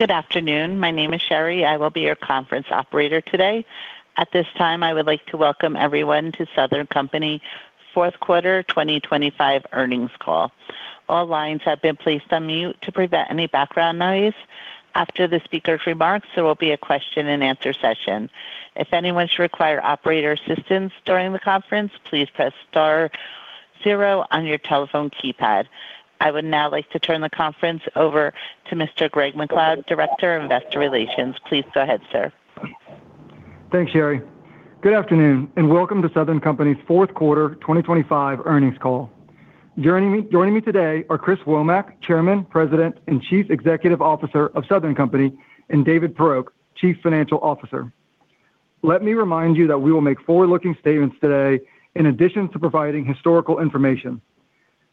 Good afternoon. My name is Sherry. I will be your conference operator today. At this time, I would like to welcome everyone to Southern Company Fourth Quarter 2025 Earnings Call. All lines have been placed on mute to prevent any background noise. After the speaker's remarks, there will be a question and answer session. If anyone should require operator assistance during the conference, please press star zero on your telephone keypad. I would now like to turn the conference over to Mr. Greg McLeod, Director of Investor Relations. Please go ahead, sir. Thanks, Sherry. Good afternoon, and welcome to Southern Company's fourth quarter 2025 earnings call. Joining me, joining me today are Chris Womack, Chairman, President, and Chief Executive Officer of Southern Company, and David Poroch, Chief Financial Officer. Let me remind you that we will make forward-looking statements today in addition to providing historical information.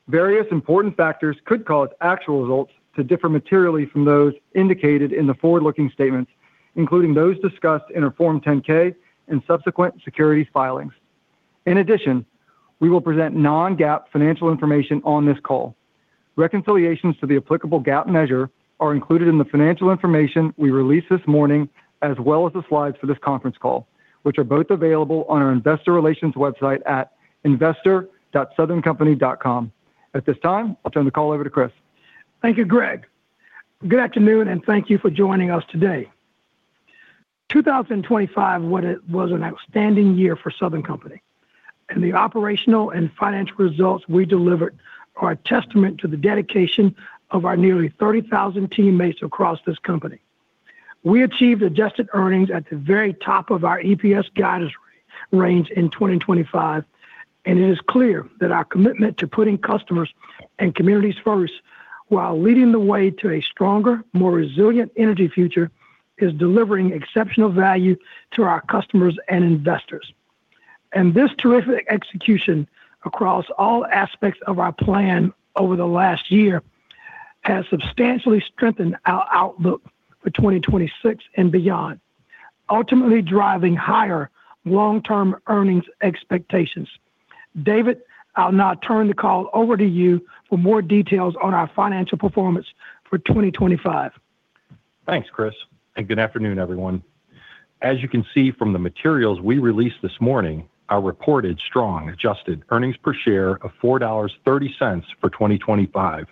Various important factors could cause actual results to differ materially from those indicated in the forward-looking statements, including those discussed in our Form 10-K and subsequent securities filings. In addition, we will present Non-GAAP financial information on this call. Reconciliations to the applicable GAAP measure are included in the financial information we released this morning, as well as the slides for this conference call, which are both available on our investor relations website at investor.southerncompany.com. At this time, I'll turn the call over to Chris. Thank you, Greg. Good afternoon, and thank you for joining us today. 2025 was an outstanding year for Southern Company, and the operational and financial results we delivered are a testament to the dedication of our nearly 30,000 teammates across this company. We achieved adjusted earnings at the very top of our EPS guidance range in 2025, and it is clear that our commitment to putting customers and communities first, while leading the way to a stronger, more resilient energy future, is delivering exceptional value to our customers and investors. And this terrific execution across all aspects of our plan over the last year has substantially strengthened our outlook for 2026 and beyond, ultimately driving higher long-term earnings expectations. David, I'll now turn the call over to you for more details on our financial performance for 2025. Thanks, Chris, and good afternoon, everyone. As you can see from the materials we released this morning, our reported strong adjusted earnings per share of $4.30 for 2025,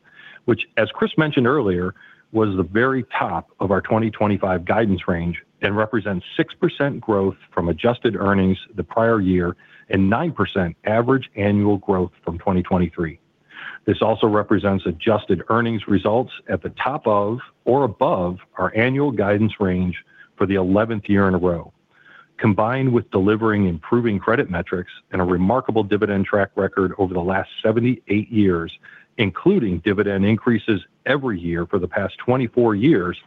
which, as Chris mentioned earlier, was the very top of our 2025 guidance range and represents 6% growth from adjusted earnings the prior year and 9% average annual growth from 2023. This also represents adjusted earnings results at the top of or above our annual guidance range for the 11th year in a row. Combined with delivering improving credit metrics and a remarkable dividend track record over the last 78 years, including dividend increases every year for the past 24 years,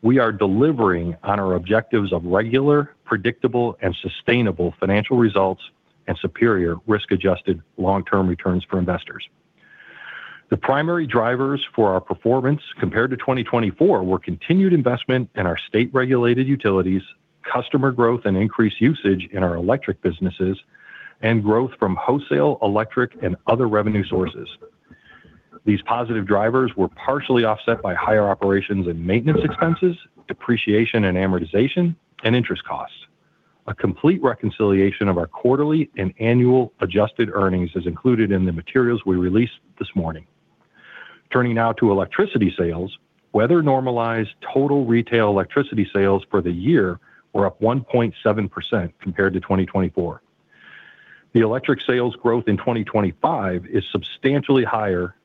we are delivering on our objectives of regular, predictable, and sustainable financial results and superior risk-adjusted long-term returns for investors. The primary drivers for our performance compared to 2024 were continued investment in our state-regulated utilities, customer growth and increased usage in our electric businesses, and growth from wholesale, electric, and other revenue sources. These positive drivers were partially offset by higher operations and maintenance expenses, depreciation and amortization, and interest costs. A complete reconciliation of our quarterly and annual adjusted earnings is included in the materials we released this morning. Turning now to electricity sales, weather-normalized total retail electricity sales for the year were up 1.7% compared to 2024. The electric sales growth in 2025 is substantially higher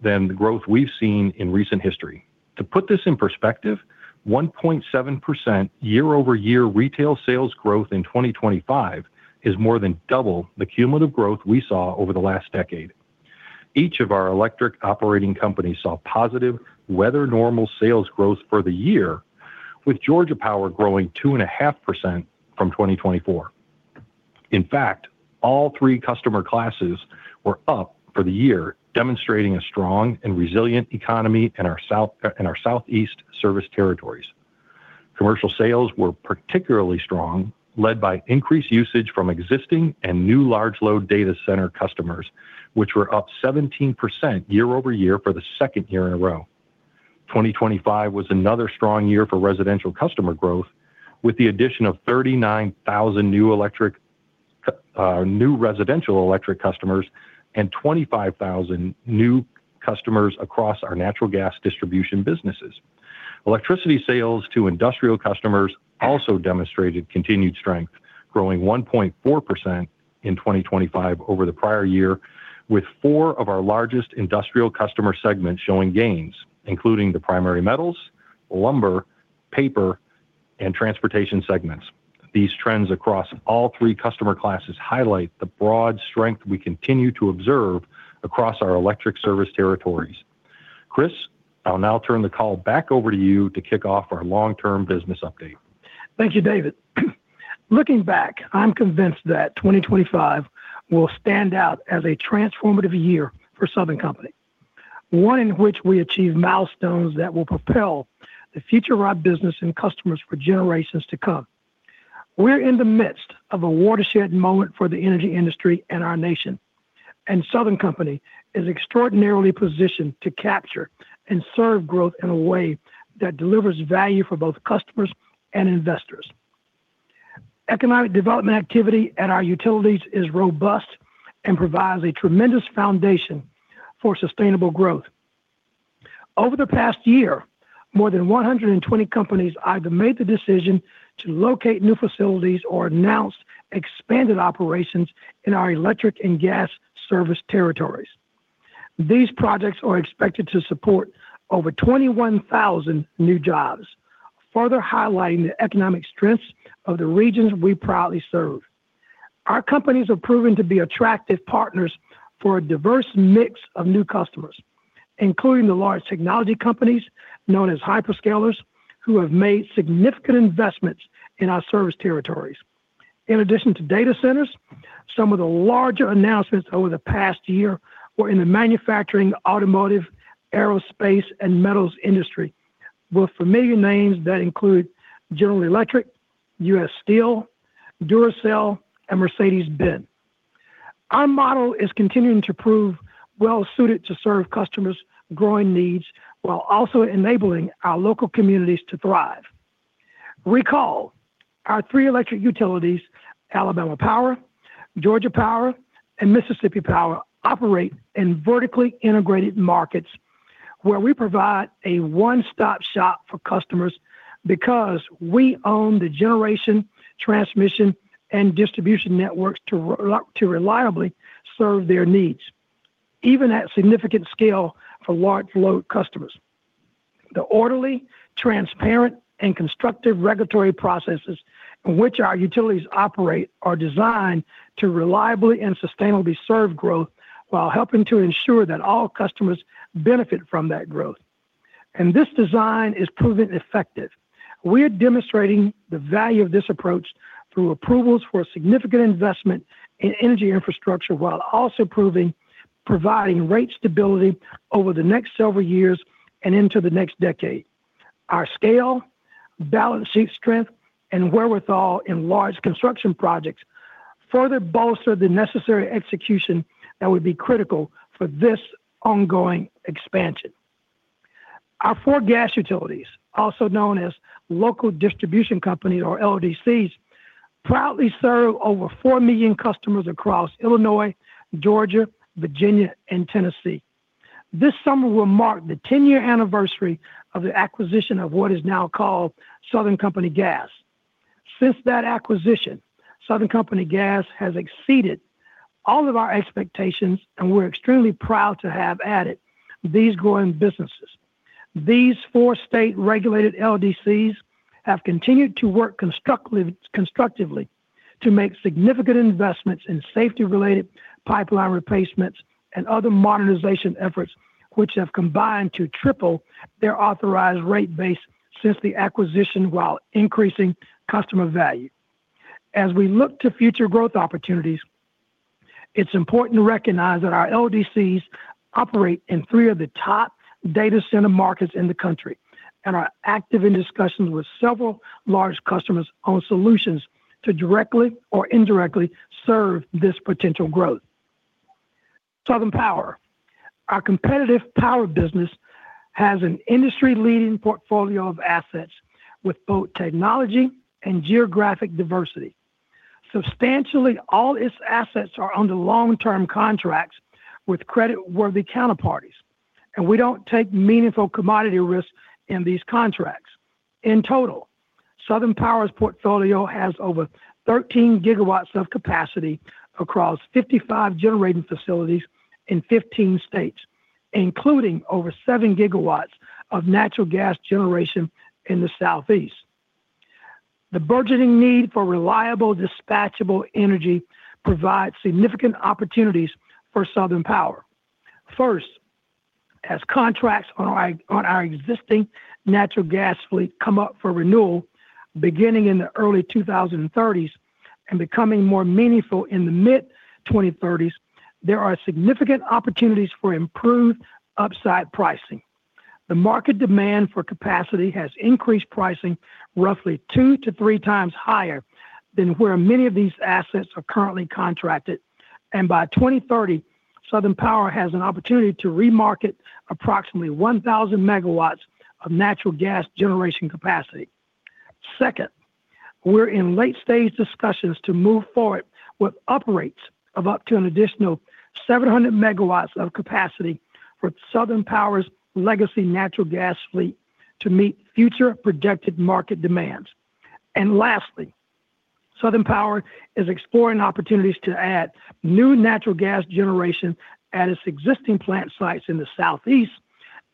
than the growth we've seen in recent history. To put this in perspective, 1.7% year-over-year retail sales growth in 2025 is more than double the cumulative growth we saw over the last decade. Each of our electric operating companies saw positive weather normal sales growth for the year, with Georgia Power growing 2.5% from 2024. In fact, all three customer classes were up for the year, demonstrating a strong and resilient economy in our south - in our southeast service territories. Commercial sales were particularly strong, led by increased usage from existing and new large load data center customers, which were up 17% year-over-year for the second year in a row. 2025 was another strong year for residential customer growth, with the addition of 39,000 new electric, new residential electric customers and 25,000 new customers across our natural gas distribution businesses. Electricity sales to industrial customers also demonstrated continued strength, growing 1.4% in 2025 over the prior year, with four of our largest industrial customer segments showing gains, including the primary metals, lumber, paper, and transportation segments. These trends across all three customer classes highlight the broad strength we continue to observe across our electric service territories. Chris, I'll now turn the call back over to you to kick off our long-term business update. Thank you, David. Looking back, I'm convinced that 2025 will stand out as a transformative year for Southern Company, one in which we achieve milestones that will propel the future of our business and customers for generations to come.... We're in the midst of a watershed moment for the energy industry and our nation, and Southern Company is extraordinarily positioned to capture and serve growth in a way that delivers value for both customers and investors. Economic development activity at our utilities is robust and provides a tremendous foundation for sustainable growth. Over the past year, more than 120 companies either made the decision to locate new facilities or announced expanded operations in our electric and gas service territories. These projects are expected to support over 21,000 new jobs, further highlighting the economic strengths of the regions we proudly serve. Our companies are proving to be attractive partners for a diverse mix of new customers, including the large technology companies known as hyperscalers, who have made significant investments in our service territories. In addition to data centers, some of the larger announcements over the past year were in the manufacturing, automotive, aerospace, and metals industry, with familiar names that include General Electric, US Steel, Duracell, and Mercedes-Benz. Our model is continuing to prove well-suited to serve customers' growing needs while also enabling our local communities to thrive. Recall, our three electric utilities, Alabama Power, Georgia Power, and Mississippi Power, operate in vertically integrated markets where we provide a one-stop shop for customers because we own the generation, transmission, and distribution networks to reliably serve their needs, even at significant scale for large load customers. The orderly, transparent, and constructive regulatory processes in which our utilities operate are designed to reliably and sustainably serve growth while helping to ensure that all customers benefit from that growth. This design is proven effective. We are demonstrating the value of this approach through approvals for significant investment in energy infrastructure, while also providing rate stability over the next several years and into the next decade. Our scale, balance sheet strength, and wherewithal in large construction projects further bolster the necessary execution that would be critical for this ongoing expansion. Our four gas utilities, also known as local distribution companies or LDCs, proudly serve over 4 million customers across Illinois, Georgia, Virginia, and Tennessee. This summer will mark the 10-year anniversary of the acquisition of what is now called Southern Company Gas. Since that acquisition, Southern Company Gas has exceeded all of our expectations, and we're extremely proud to have added these growing businesses. These four state-regulated LDCs have continued to work constructively to make significant investments in safety-related pipeline replacements and other modernization efforts, which have combined to triple their authorized rate base since the acquisition, while increasing customer value. As we look to future growth opportunities, it's important to recognize that our LDCs operate in three of the top data center markets in the country and are active in discussions with several large customers on solutions to directly or indirectly serve this potential growth. Southern Power, our competitive power business, has an industry-leading portfolio of assets with both technology and geographic diversity. Substantially, all its assets are under long-term contracts with creditworthy counterparties, and we don't take meaningful commodity risks in these contracts. In total, Southern Power's portfolio has over 13 GW of capacity across 55 generating facilities in 15 states, including over 7 GW of natural gas generation in the Southeast. The burgeoning need for reliable, dispatchable energy provides significant opportunities for Southern Power. First, as contracts on our existing natural gas fleet come up for renewal, beginning in the early 2030s and becoming more meaningful in the mid-2030s, there are significant opportunities for improved upside pricing. The market demand for capacity has increased pricing roughly 2-3-times higher than where many of these assets are currently contracted, and by 2030, Southern Power has an opportunity to remarket approximately 1,000 MW of natural gas generation capacity. Second, we're in late-stage discussions to move forward with uprates of up to an additional 700 MW of capacity for Southern Power's legacy natural gas fleet to meet future projected market demands. And lastly, Southern Power is exploring opportunities to add new natural gas generation at its existing plant sites in the Southeast,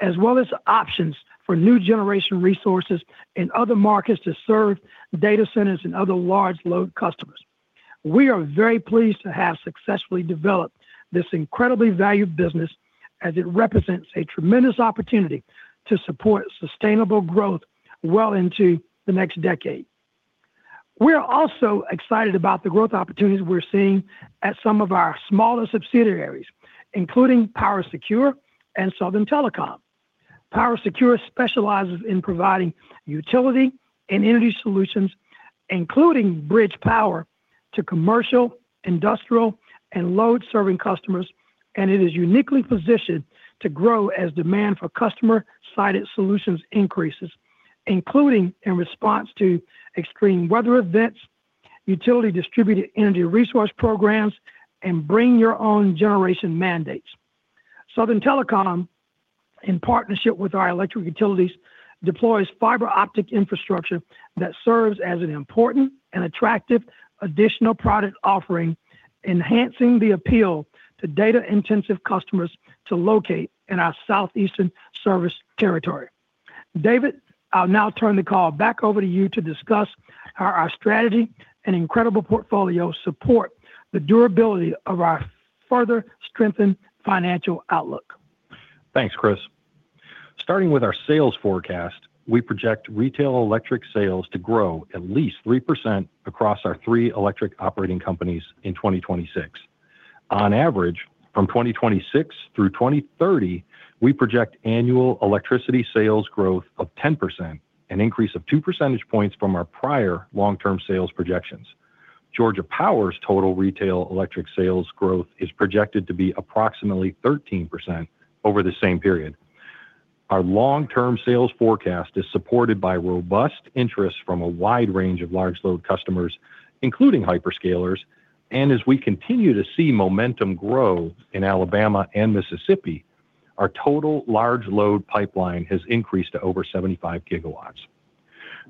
as well as options for new generation resources in other markets to serve data centers and other large load customers. We are very pleased to have successfully developed this incredibly valued business as it represents a tremendous opportunity to support sustainable growth well into the next decade. We are also excited about the growth opportunities we're seeing at some of our smaller subsidiaries, including PowerSecure and Southern Telecom.... PowerSecure specializes in providing utility and energy solutions including bridge power to commercial, industrial, and load-serving customers, and it is uniquely positioned to grow as demand for customer-sited solutions increases including in response to extreme weather events, utility distributed energy resource programs, and bring-your-own generation mandates. Southern Telecom, in partnership with our electric utilities, deploys fiber optic infrastructure that serves as an important and attractive additional product offering, enhancing the appeal to data-intensive customers to locate in our Southeastern service territory. David, I'll now turn the call back over to you to discuss how our strategy and incredible portfolio support the durability of our further strengthened financial outlook. Thanks, Chris. Starting with our sales forecast, we project retail electric sales to grow at least 3% across our three electric operating companies in 2026. On average, from 2026 through 2030, we project annual electricity sales growth of 10%, an increase of 2 percentage points from our prior long-term sales projections. Georgia Power's total retail electric sales growth is projected to be approximately 13% over the same period. Our long-term sales forecast is supported by robust interest from a wide range of large load customers, including hyperscalers, and as we continue to see momentum grow in Alabama and Mississippi, our total large load pipeline has increased to over 75 GW.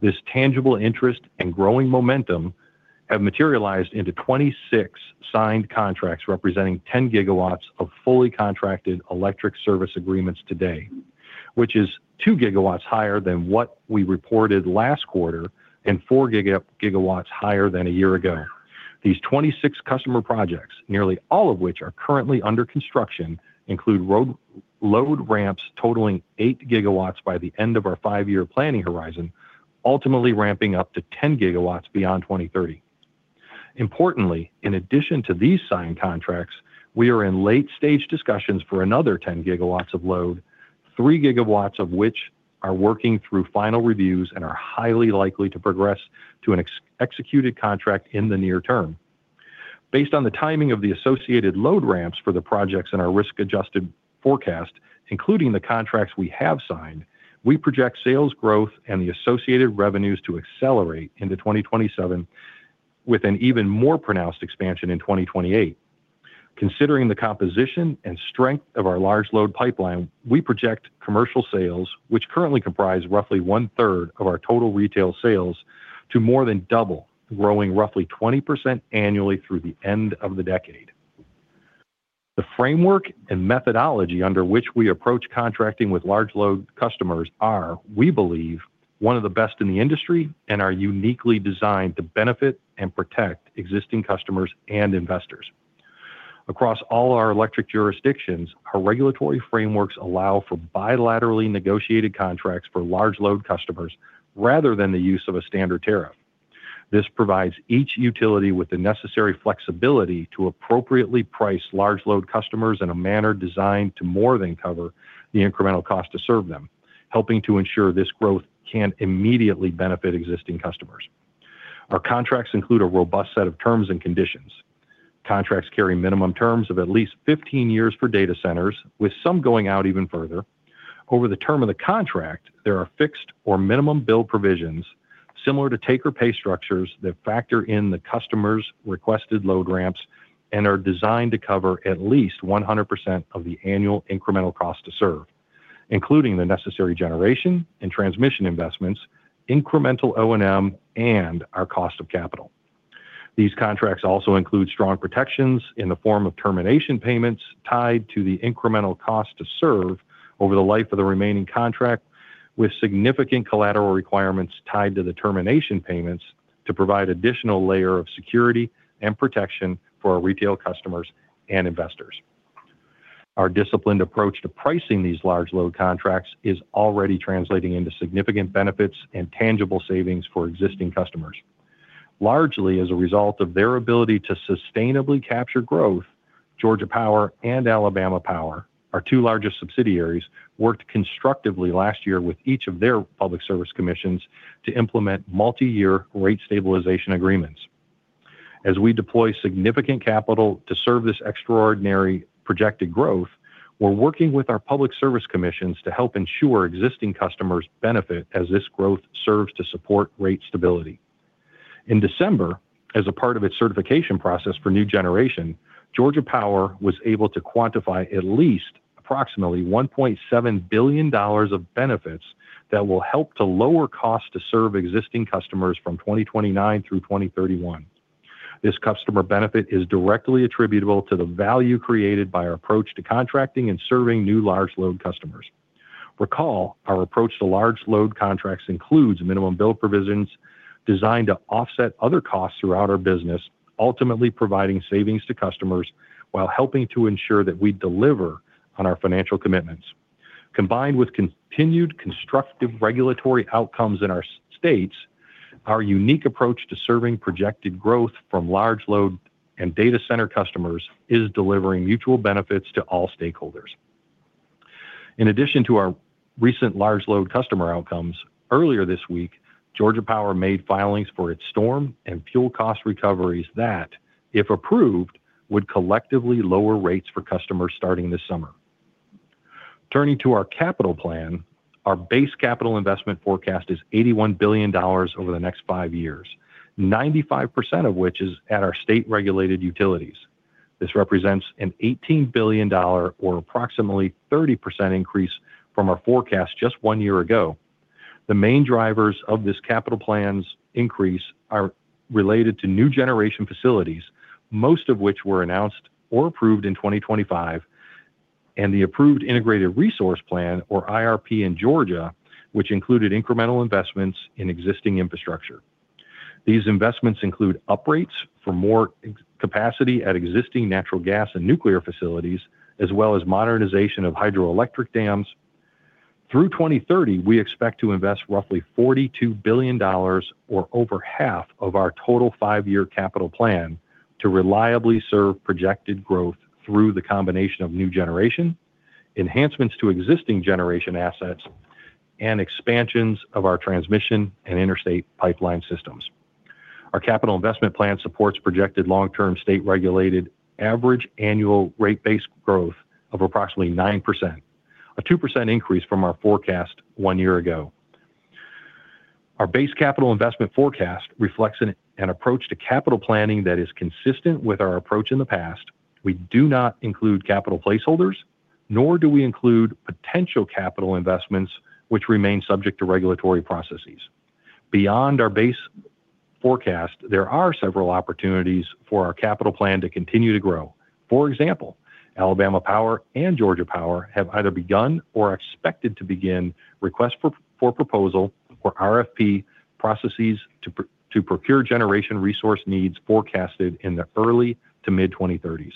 This tangible interest and growing momentum have materialized into 26 signed contracts, representing 10 GW of fully contracted electric service agreements today, which is 2 GW higher than what we reported last quarter and 4 GW higher than a year ago. These 26 customer projects, nearly all of which are currently under construction, include load ramps totaling 8 GW by the end of our five-year planning horizon, ultimately ramping up to 10 GW beyond 2030. Importantly, in addition to these signed contracts, we are in late-stage discussions for another 10 GW of load, 3 GW of which are working through final reviews and are highly likely to progress to an executed contract in the near term. Based on the timing of the associated load ramps for the projects in our risk-adjusted forecast, including the contracts we have signed, we project sales growth and the associated revenues to accelerate into 2027, with an even more pronounced expansion in 2028. Considering the composition and strength of our large load pipeline, we project commercial sales, which currently comprise roughly one-third of our total retail sales, to more than double, growing roughly 20% annually through the end of the decade. The framework and methodology under which we approach contracting with large load customers are, we believe, one of the best in the industry and are uniquely designed to benefit and protect existing customers and investors. Across all our electric jurisdictions, our regulatory frameworks allow for bilaterally negotiated contracts for large load customers rather than the use of a standard tariff. This provides each utility with the necessary flexibility to appropriately price large load customers in a manner designed to more than cover the incremental cost to serve them, helping to ensure this growth can immediately benefit existing customers. Our contracts include a robust set of terms and conditions. Contracts carry minimum terms of at least 15 years for data centers, with some going out even further. Over the term of the contract, there are fixed or minimum bill provisions similar to take or pay structures that factor in the customer's requested load ramps and are designed to cover at least 100% of the annual incremental cost to serve, including the necessary generation and transmission investments, incremental O&M, and our cost of capital. These contracts also include strong protections in the form of termination payments tied to the incremental cost to serve over the life of the remaining contract, with significant collateral requirements tied to the termination payments to provide additional layer of security and protection for our retail customers and investors. Our disciplined approach to pricing these large load contracts is already translating into significant benefits and tangible savings for existing customers. Largely as a result of their ability to sustainably capture growth, Georgia Power and Alabama Power, our two largest subsidiaries, worked constructively last year with each of their public service commissions to implement multi-year rate stabilization agreements. As we deploy significant capital to serve this extraordinary projected growth, we're working with our public service commissions to help ensure existing customers benefit as this growth serves to support rate stability. In December, as a part of its certification process for new generation, Georgia Power was able to quantify at least approximately $1.7 billion of benefits that will help to lower cost to serve existing customers from 2029 through 2031. This customer benefit is directly attributable to the value created by our approach to contracting and serving new large load customers. Recall, our approach to large load contracts includes minimum bill provisions designed to offset other costs throughout our business, ultimately providing savings to customers while helping to ensure that we deliver on our financial commitments. Combined with continued constructive regulatory outcomes in our S-states,... Our unique approach to serving projected growth from large load and data center customers is delivering mutual benefits to all stakeholders. In addition to our recent large load customer outcomes, earlier this week, Georgia Power made filings for its storm and fuel cost recoveries that if approved, would collectively lower rates for customers starting this summer. Turning to our capital plan, our base capital investment forecast is $81 billion over the next five years, 95% of which is at our state-regulated utilities. This represents an $18 billion or approximately 30% increase from our forecast just one year ago. The main drivers of this capital plan's increase are related to new generation facilities, most of which were announced or approved in 2025, and the approved Integrated Resource Plan or IRP in Georgia, which included incremental investments in existing infrastructure. These investments include uprates for more capacity at existing natural gas and nuclear facilities, as well as modernization of hydroelectric dams. Through 2030, we expect to invest roughly $42 billion or over half of our total 5-year capital plan to reliably serve projected growth through the combination of new generation, enhancements to existing generation assets, and expansions of our transmission and interstate pipeline systems. Our capital investment plan supports projected long-term state-regulated average annual rate-based growth of approximately 9%, a 2% increase from our forecast one year ago. Our base capital investment forecast reflects an approach to capital planning that is consistent with our approach in the past. We do not include capital placeholders, nor do we include potential capital investments which remain subject to regulatory processes. Beyond our base forecast, there are several opportunities for our capital plan to continue to grow. For example, Alabama Power and Georgia Power have either begun or are expected to begin request for proposal or RFP processes to procure generation resource needs forecasted in the early to mid-2030s.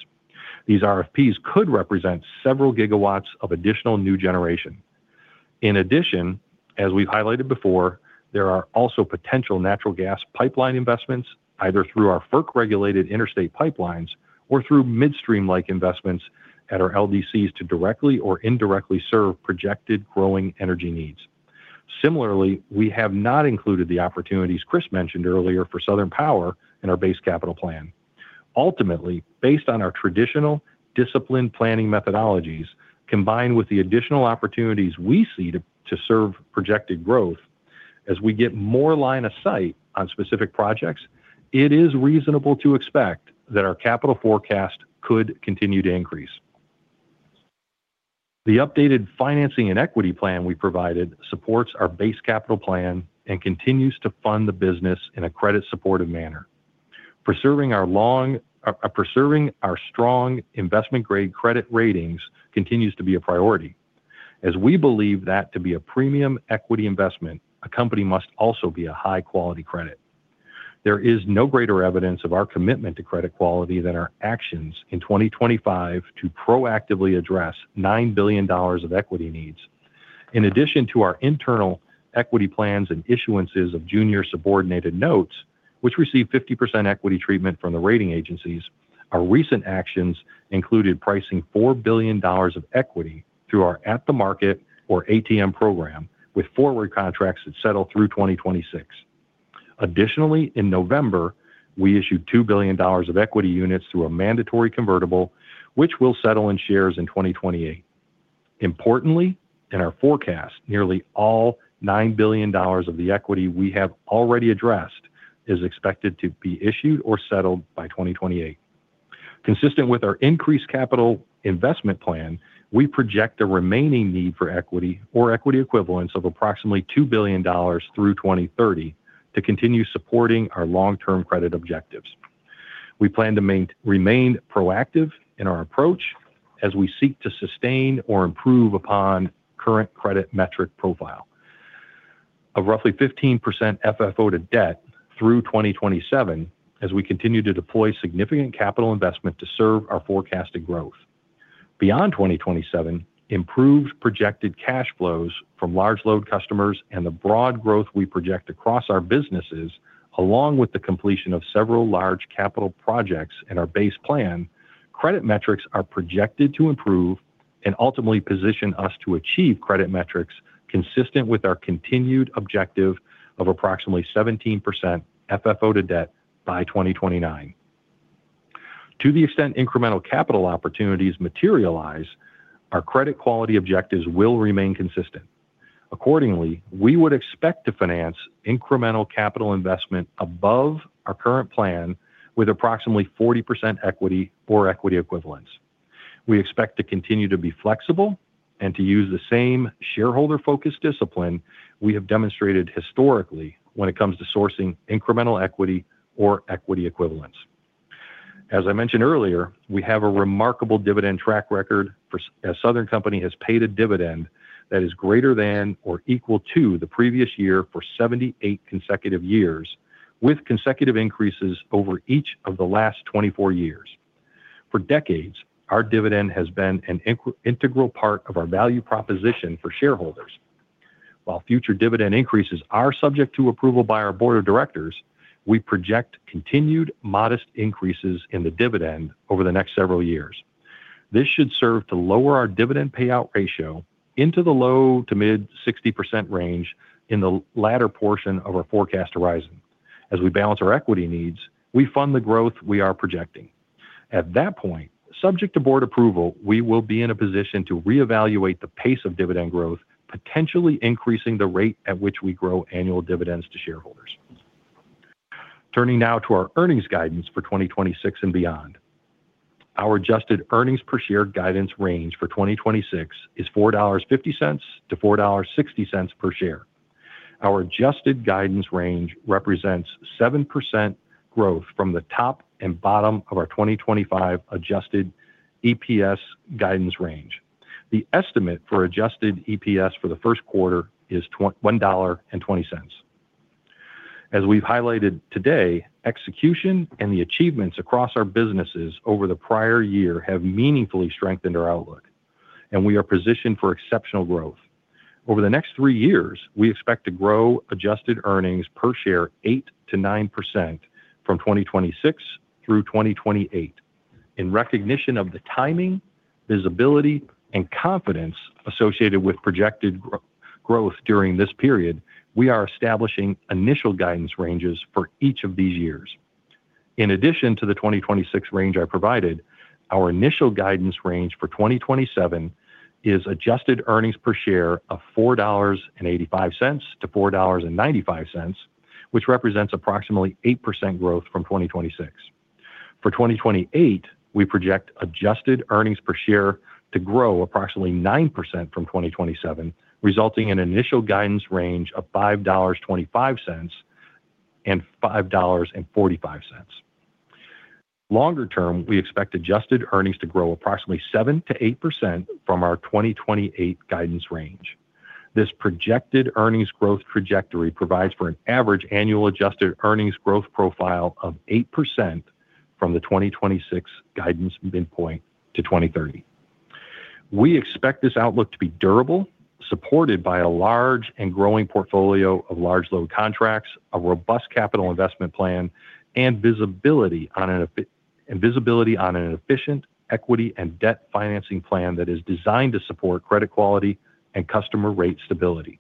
These RFPs could represent several gigawatts of additional new generation. In addition, as we've highlighted before, there are also potential natural gas pipeline investments, either through our FERC-regulated interstate pipelines or through midstream-like investments at our LDCs to directly or indirectly serve projected growing energy needs. Similarly, we have not included the opportunities Chris mentioned earlier for Southern Power in our base capital plan. Ultimately, based on our traditional disciplined planning methodologies, combined with the additional opportunities we see to serve projected growth, as we get more line of sight on specific projects, it is reasonable to expect that our capital forecast could continue to increase. The updated financing and equity plan we provided supports our base capital plan and continues to fund the business in a credit-supportive manner. Preserving our strong investment-grade credit ratings continues to be a priority, as we believe that to be a premium equity investment, a company must also be a high-quality credit. There is no greater evidence of our commitment to credit quality than our actions in 2025 to proactively address $9 billion of equity needs. In addition to our internal equity plans and issuances of junior subordinated notes, which received 50% equity treatment from the rating agencies, our recent actions included pricing $4 billion of equity through our At the Market or ATM program, with forward contracts that settle through 2026. Additionally, in November, we issued $2 billion of equity units through a mandatory convertible, which will settle in shares in 2028. Importantly, in our forecast, nearly all $9 billion of the equity we have already addressed is expected to be issued or settled by 2028. Consistent with our increased capital investment plan, we project a remaining need for equity or equity equivalents of approximately $2 billion through 2030 to continue supporting our long-term credit objectives. We plan to remain proactive in our approach as we seek to sustain or improve upon current credit metric profile. Of roughly 15% FFO to debt through 2027, as we continue to deploy significant capital investment to serve our forecasted growth. Beyond 2027, improved projected cash flows from large load customers and the broad growth we project across our businesses, along with the completion of several large capital projects in our base plan, credit metrics are projected to improve and ultimately position us to achieve credit metrics consistent with our continued objective of approximately 17% FFO to debt by 2029. To the extent incremental capital opportunities materialize, our credit quality objectives will remain consistent. Accordingly, we would expect to finance incremental capital investment above our current plan with approximately 40% equity or equity equivalents. We expect to continue to be flexible and to use the same shareholder-focused discipline we have demonstrated historically when it comes to sourcing incremental equity or equity equivalents. As I mentioned earlier, we have a remarkable dividend track record for—as Southern Company has paid a dividend that is greater than or equal to the previous year for 78 consecutive years, with consecutive increases over each of the last 24 years.... For decades, our dividend has been an integral part of our value proposition for shareholders. While future dividend increases are subject to approval by our board of directors, we project continued modest increases in the dividend over the next several years. This should serve to lower our dividend payout ratio into the low- to mid-60% range in the latter portion of our forecast horizon. As we balance our equity needs, we fund the growth we are projecting. At that point, subject to board approval, we will be in a position to reevaluate the pace of dividend growth, potentially increasing the rate at which we grow annual dividends to shareholders. Turning now to our earnings guidance for 2026 and beyond. Our adjusted earnings per share guidance range for 2026 is $4.50-$4.60 per share. Our adjusted guidance range represents 7% growth from the top and bottom of our 2025 adjusted EPS guidance range. The estimate for adjusted EPS for the first quarter is $1.20. As we've highlighted today, execution and the achievements across our businesses over the prior year have meaningfully strengthened our outlook, and we are positioned for exceptional growth. Over the next three years, we expect to grow adjusted earnings per share 8%-9% from 2026 through 2028. In recognition of the timing, visibility, and confidence associated with projected growth during this period, we are establishing initial guidance ranges for each of these years. In addition to the 2026 range I provided, our initial guidance range for 2027 is adjusted earnings per share of $4.85-$4.95, which represents approximately 8% growth from 2026. For 2028, we project adjusted earnings per share to grow approximately 9% from 2027, resulting in initial guidance range of $5.25-$5.45. Longer term, we expect adjusted earnings to grow approximately 7%-8% from our 2028 guidance range. This projected earnings growth trajectory provides for an average annual adjusted earnings growth profile of 8% from the 2026 guidance midpoint to 2030. We expect this outlook to be durable, supported by a large and growing portfolio of large load contracts, a robust capital investment plan, and visibility on an efficient equity and debt financing plan that is designed to support credit quality and customer rate stability.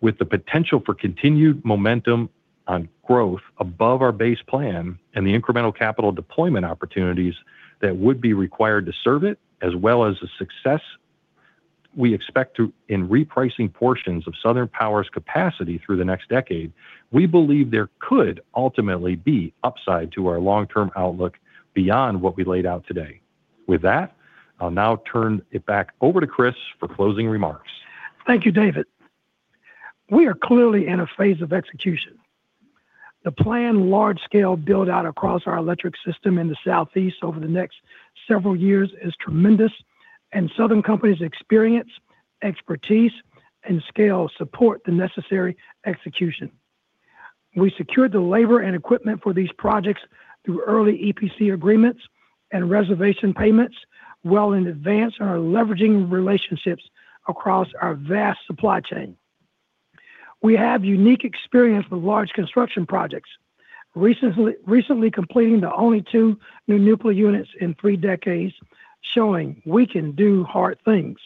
With the potential for continued momentum on growth above our base plan and the incremental capital deployment opportunities that would be required to serve it, as well as the success we expect to, in repricing portions of Southern Power's capacity through the next decade, we believe there could ultimately be upside to our long-term outlook beyond what we laid out today. With that, I'll now turn it back over to Chris for closing remarks. Thank you, David. We are clearly in a phase of execution. The planned large-scale build-out across our electric system in the Southeast over the next several years is tremendous, and Southern Company's experience, expertise, and scale support the necessary execution. We secured the labor and equipment for these projects through early EPC agreements and reservation payments well in advance and are leveraging relationships across our vast supply chain. We have unique experience with large construction projects, recently completing the only two new nuclear units in three decades, showing we can do hard things.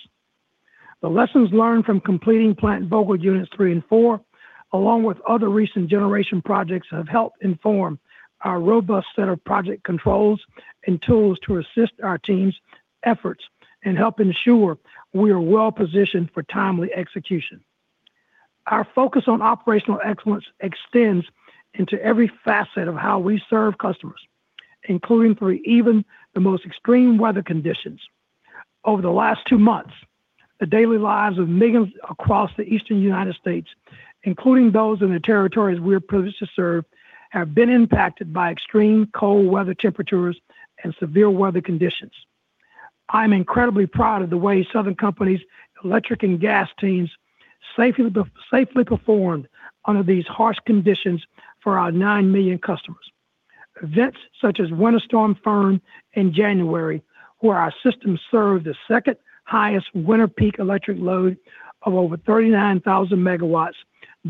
The lessons learned from completing Plant Vogtle Units 3 and 4, along with other recent generation projects, have helped inform our robust set of project controls and tools to assist our teams' efforts and help ensure we are well-positioned for timely execution. Our focus on operational excellence extends into every facet of how we serve customers, including through even the most extreme weather conditions. Over the last two months, the daily lives of millions across the Eastern United States, including those in the territories we are privileged to serve, have been impacted by extreme cold weather temperatures and severe weather conditions. I'm incredibly proud of the way Southern Company's electric and gas teams safely performed under these harsh conditions for our 9 million customers. Events such as Winter Storm Fern in January, where our system served the second-highest winter peak electric load of over 39,000 MW,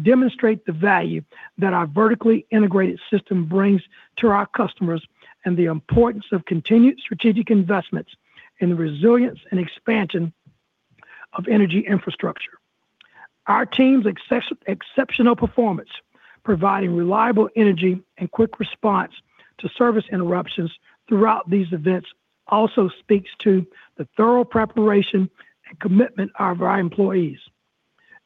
demonstrate the value that our vertically integrated system brings to our customers and the importance of continued strategic investments in the resilience and expansion of energy infrastructure. Our team's exceptional performance, providing reliable energy and quick response to service interruptions throughout these events, also speaks to the thorough preparation and commitment of our employees.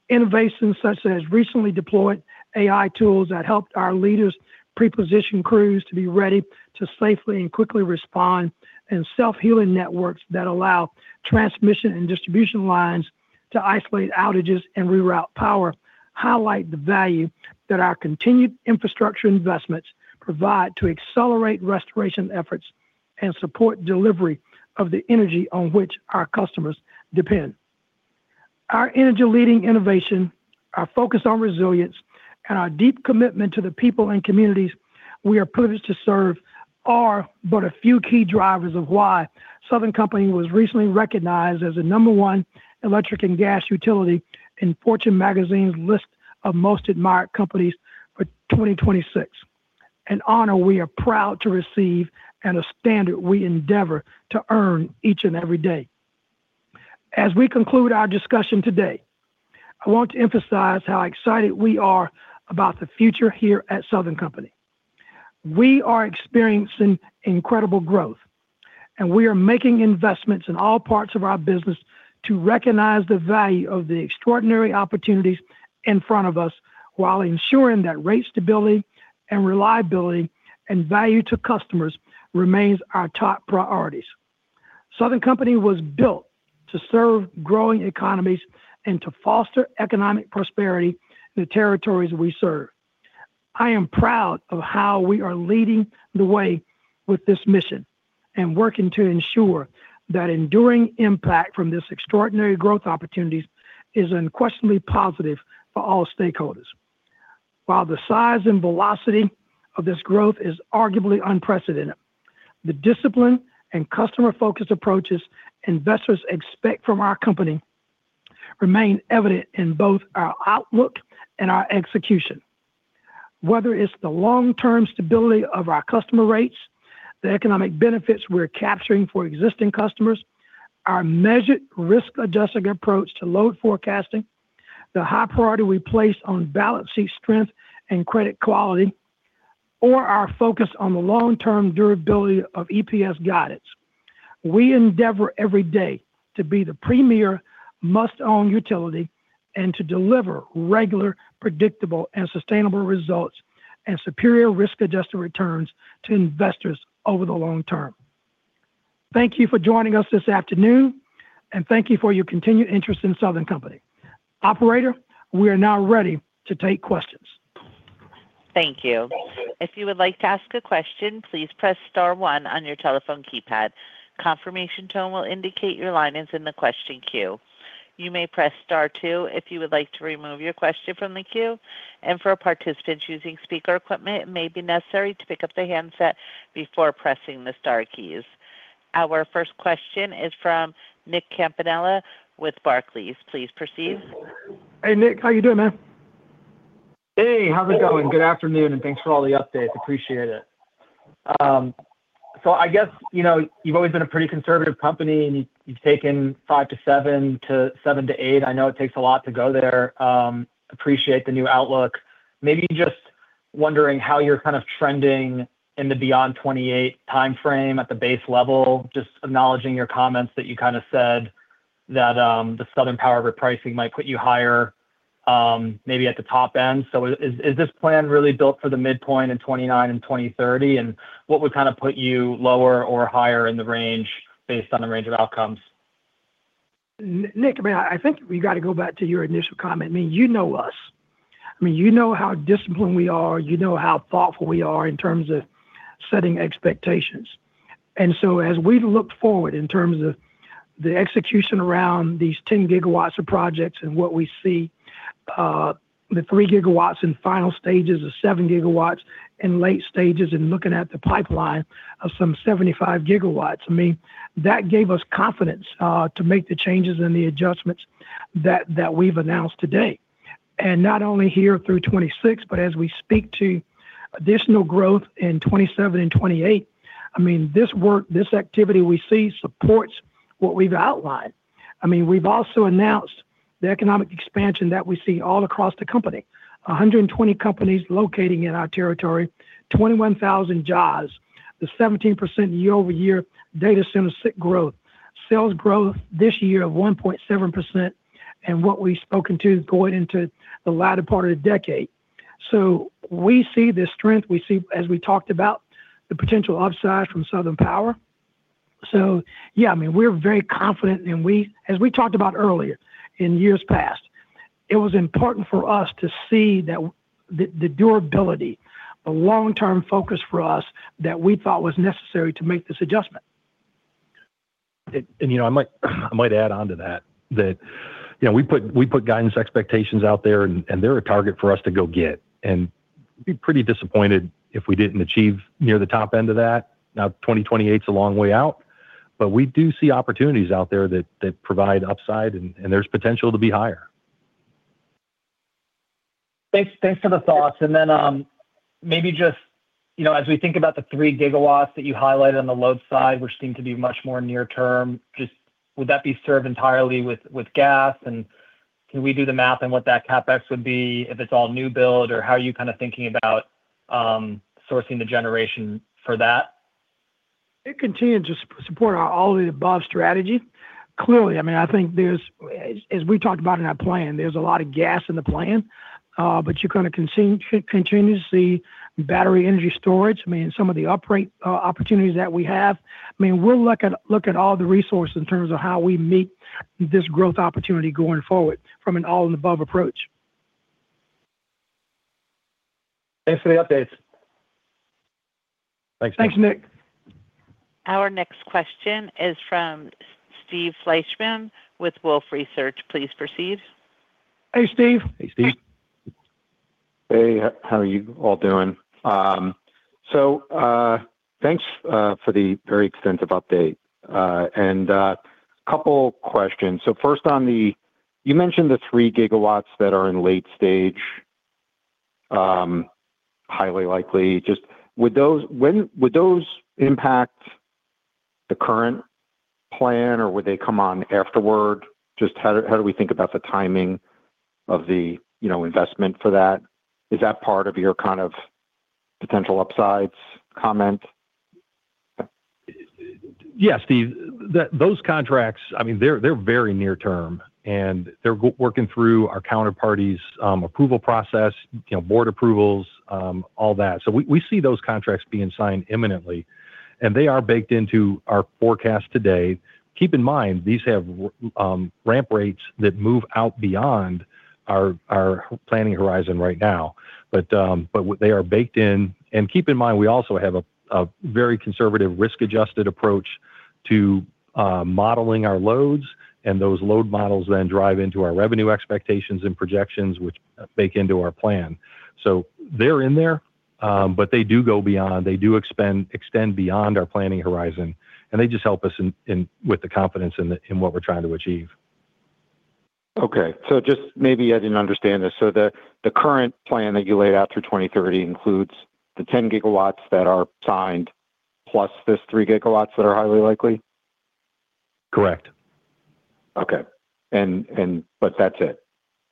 Innovations such as recently deployed AI tools that helped our leaders pre-position crews to be ready to safely and quickly respond, and self-healing networks that allow transmission and distribution lines to isolate outages and reroute power, highlight the value that our continued infrastructure investments provide to accelerate restoration efforts and support delivery of the energy on which our customers depend.... Our energy leading innovation, our focus on resilience, and our deep commitment to the people and communities we are privileged to serve are but a few key drivers of why Southern Company was recently recognized as the number one electric and gas utility in Fortune magazine's list of most admired companies for 2026. An honor we are proud to receive and a standard we endeavor to earn each and every day. As we conclude our discussion today, I want to emphasize how excited we are about the future here at Southern Company. We are experiencing incredible growth, and we are making investments in all parts of our business to recognize the value of the extraordinary opportunities in front of us, while ensuring that rate stability and reliability and value to customers remains our top priorities. Southern Company was built to serve growing economies and to foster economic prosperity in the territories we serve. I am proud of how we are leading the way with this mission and working to ensure that enduring impact from this extraordinary growth opportunities is unquestionably positive for all stakeholders. While the size and velocity of this growth is arguably unprecedented, the discipline and customer-focused approaches investors expect from our company remain evident in both our outlook and our execution. Whether it's the long-term stability of our customer rates, the economic benefits we're capturing for existing customers, our measured risk-adjusted approach to load forecasting, the high priority we place on balance sheet strength and credit quality, or our focus on the long-term durability of EPS guidance, we endeavor every day to be the premier must-own utility and to deliver regular, predictable, and sustainable results and superior risk-adjusted returns to investors over the long term. Thank you for joining us this afternoon, and thank you for your continued interest in Southern Company. Operator, we are now ready to take questions. Thank you. Thank you. If you would like to ask a question, please press star one on your telephone keypad. Confirmation tone will indicate your line is in the question queue. You may press star two if you would like to remove your question from the queue, and for participants using speaker equipment, it may be necessary to pick up the handset before pressing the star keys. Our first question is from Nick Campanella with Barclays. Please proceed. Hey, Nick. How you doing, man? Hey, how's it going? Good afternoon, and thanks for all the updates. Appreciate it. So I guess, you know, you've always been a pretty conservative company, and you, you've taken 5-7 to 7-8. I know it takes a lot to go there. Appreciate the new outlook. Maybe just wondering how you're kind of trending in the beyond 2028 timeframe at the base level, just acknowledging your comments that you kind of said that, the Southern Power repricing might put you higher, maybe at the top end. So is, is, is this plan really built for the midpoint in 2029 and 2030? And what would kind of put you lower or higher in the range based on the range of outcomes? Nick, I mean, I think we got to go back to your initial comment. I mean, you know us. I mean, you know how disciplined we are, you know how thoughtful we are in terms of setting expectations. And so as we've looked forward in terms of the execution around these 10 GW of projects and what we see, the 3 GW in final stages, the 7 GW in late stages, and looking at the pipeline of some 75 GW, I mean, that gave us confidence to make the changes and the adjustments that, that we've announced today. And not only here through 2026, but as we speak to additional growth in 2027 and 2028, I mean, this work, this activity we see supports what we've outlined. I mean, we've also announced the economic expansion that we see all across the company. 120 companies locating in our territory, 21,000 jobs, the 17% year-over-year data center sector growth, sales growth this year of 1.7%, and what we've spoken to going into the latter part of the decade. So we see the strength, we see, as we talked about, the potential upside from Southern Power. So yeah, I mean, we're very confident, and we—as we talked about earlier in years past, it was important for us to see that the, the durability, the long-term focus for us, that we thought was necessary to make this adjustment. And, you know, I might, I might add on to that, that, you know, we put, we put guidance expectations out there, and, and they're a target for us to go get. And we'd be pretty disappointed if we didn't achieve near the top end of that. Now, 2028's a long way out, but we do see opportunities out there that, that provide upside, and, and there's potential to be higher. Thanks, thanks for the thoughts. And then, maybe just, you know, as we think about the 3 gigawatts that you highlighted on the load side, which seem to be much more near term, just would that be served entirely with gas? And can we do the math on what that CapEx would be if it's all new build, or how are you kind of thinking about sourcing the generation for that? It continues to support our all-of-the-above strategy. Clearly, I mean, I think there's, as we talked about in our plan, there's a lot of gas in the plan, but you're gonna continue continuously battery energy storage. I mean, some of the uprate opportunities that we have, I mean, we'll look at all the resources in terms of how we meet this growth opportunity going forward from an all-of-the-above approach.... Thanks for the updates. Thanks, Nick. Our next question is from Steve Fleishman with Wolfe Research. Please proceed. Hey, Steve. Hey, Steve. Hey, how are you all doing? So, thanks for the very extensive update. And, a couple questions. So first on the-- You mentioned the 3 gigawatts that are in late stage, highly likely. Just would those- when would those impact the current plan, or would they come on afterward? Just how, how do we think about the timing of the, you know, investment for that? Is that part of your kind of potential upsides comment? Yeah, Steve, those contracts, I mean, they're very near term, and they're working through our counterparties' approval process, you know, board approvals, all that. So we see those contracts being signed imminently, and they are baked into our forecast today. Keep in mind, these have ramp rates that move out beyond our planning horizon right now, but they are baked in. And keep in mind, we also have a very conservative risk-adjusted approach to modeling our loads, and those load models then drive into our revenue expectations and projections, which bake into our plan. So they're in there, but they do go beyond—they do extend beyond our planning horizon, and they just help us in with the confidence in the what we're trying to achieve. Okay, so just maybe I didn't understand this. So the current plan that you laid out through 2030 includes the 10 gigawatts that are signed, plus this 3 gigawatts that are highly likely? Correct. Okay. But that's it.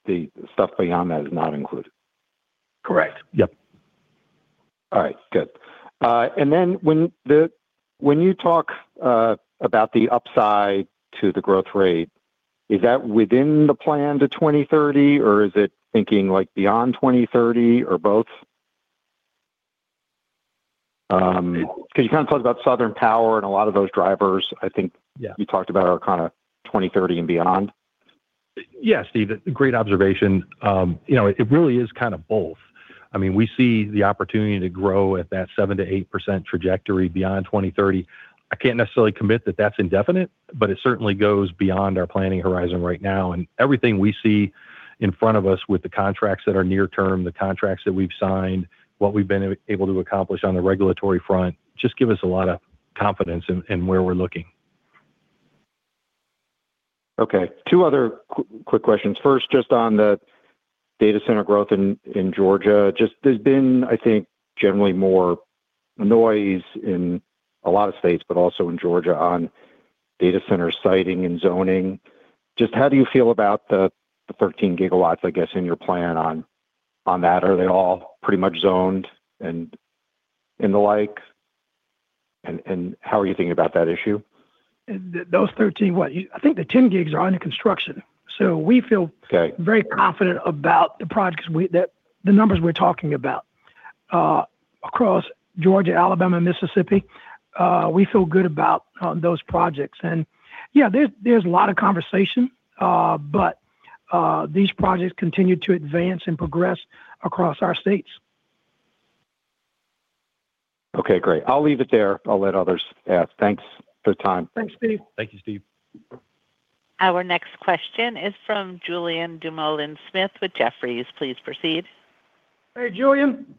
The stuff beyond that is not included. Correct. Yep. All right, good. And then when you talk about the upside to the growth rate, is that within the plan to 2030, or is it thinking, like, beyond 2030, or both? Because you kind of talked about Southern Power and a lot of those drivers, I think- Yeah... you talked about are kind of 2030 and beyond. Yeah, Steve, great observation. You know, it really is kind of both. I mean, we see the opportunity to grow at that 7%-8% trajectory beyond 2030. I can't necessarily commit that that's indefinite, but it certainly goes beyond our planning horizon right now. And everything we see in front of us with the contracts that are near term, the contracts that we've signed, what we've been able to accomplish on the regulatory front, just give us a lot of confidence in where we're looking. Okay, two other quick questions. First, just on the data center growth in Georgia. Just there's been, I think, generally more noise in a lot of states, but also in Georgia, on data center siting and zoning. Just how do you feel about the 13 GW, I guess, in your plan on that? Are they all pretty much zoned and in the like, and how are you thinking about that issue? Those 13 what? I think the 10 gigs are under construction, so we feel- Okay... very confident about the products that the numbers we're talking about. Across Georgia, Alabama, and Mississippi, we feel good about those projects. And, yeah, there's a lot of conversation, but these projects continue to advance and progress across our states. Okay, great. I'll leave it there. I'll let others ask. Thanks for the time. Thanks, Steve. Thank you, Steve. Our next question is from Julian Dumoulin-Smith with Jefferies. Please proceed. Hey, Julian.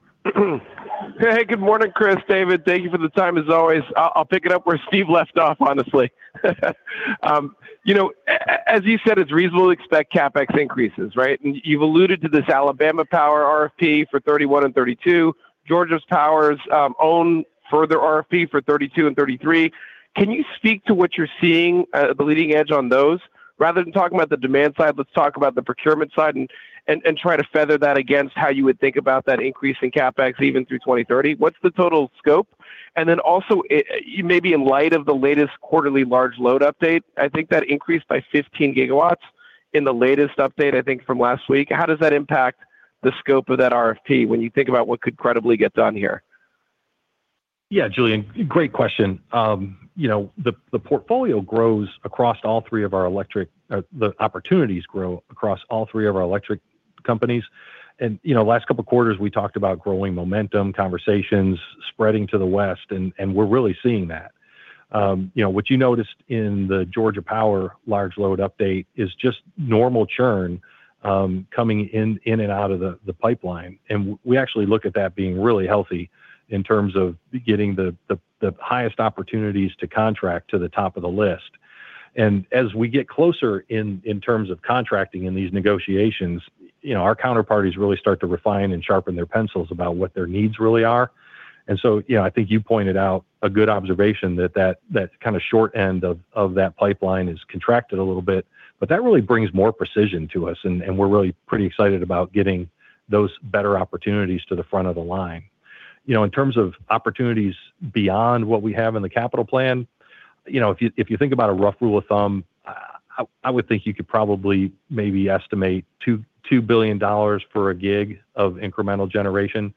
Hey, good morning, Chris, David. Thank you for the time, as always. I'll pick it up where Steve left off, honestly. You know, as you said, it's reasonable to expect CapEx increases, right? And you've alluded to this Alabama Power RFP for 2031 and 2032. Georgia Power's own further RFP for 2032 and 2033. Can you speak to what you're seeing at the leading edge on those? Rather than talking about the demand side, let's talk about the procurement side and try to feather that against how you would think about that increase in CapEx even through 2030. What's the total scope? And then also, maybe in light of the latest quarterly large load update, I think that increased by 15 gigawatts in the latest update, I think from last week. How does that impact the scope of that RFP when you think about what could credibly get done here? Yeah, Julian, great question. You know, the portfolio grows across all three of our electric... the opportunities grow across all three of our electric companies. And, you know, last couple of quarters, we talked about growing momentum, conversations spreading to the West, and we're really seeing that. You know, what you noticed in the Georgia Power large load update is just normal churn, coming in and out of the pipeline, and we actually look at that being really healthy in terms of getting the highest opportunities to contract to the top of the list. And as we get closer in terms of contracting in these negotiations, you know, our counterparties really start to refine and sharpen their pencils about what their needs really are. And so, you know, I think you pointed out a good observation that, that, that kind of short end of, of that pipeline is contracted a little bit, but that really brings more precision to us, and, and we're really pretty excited about getting those better opportunities to the front of the line. You know, in terms of opportunities beyond what we have in the capital plan, you know, if you, if you think about a rough rule of thumb, I would think you could probably maybe estimate $2 billion for a gig of incremental generation.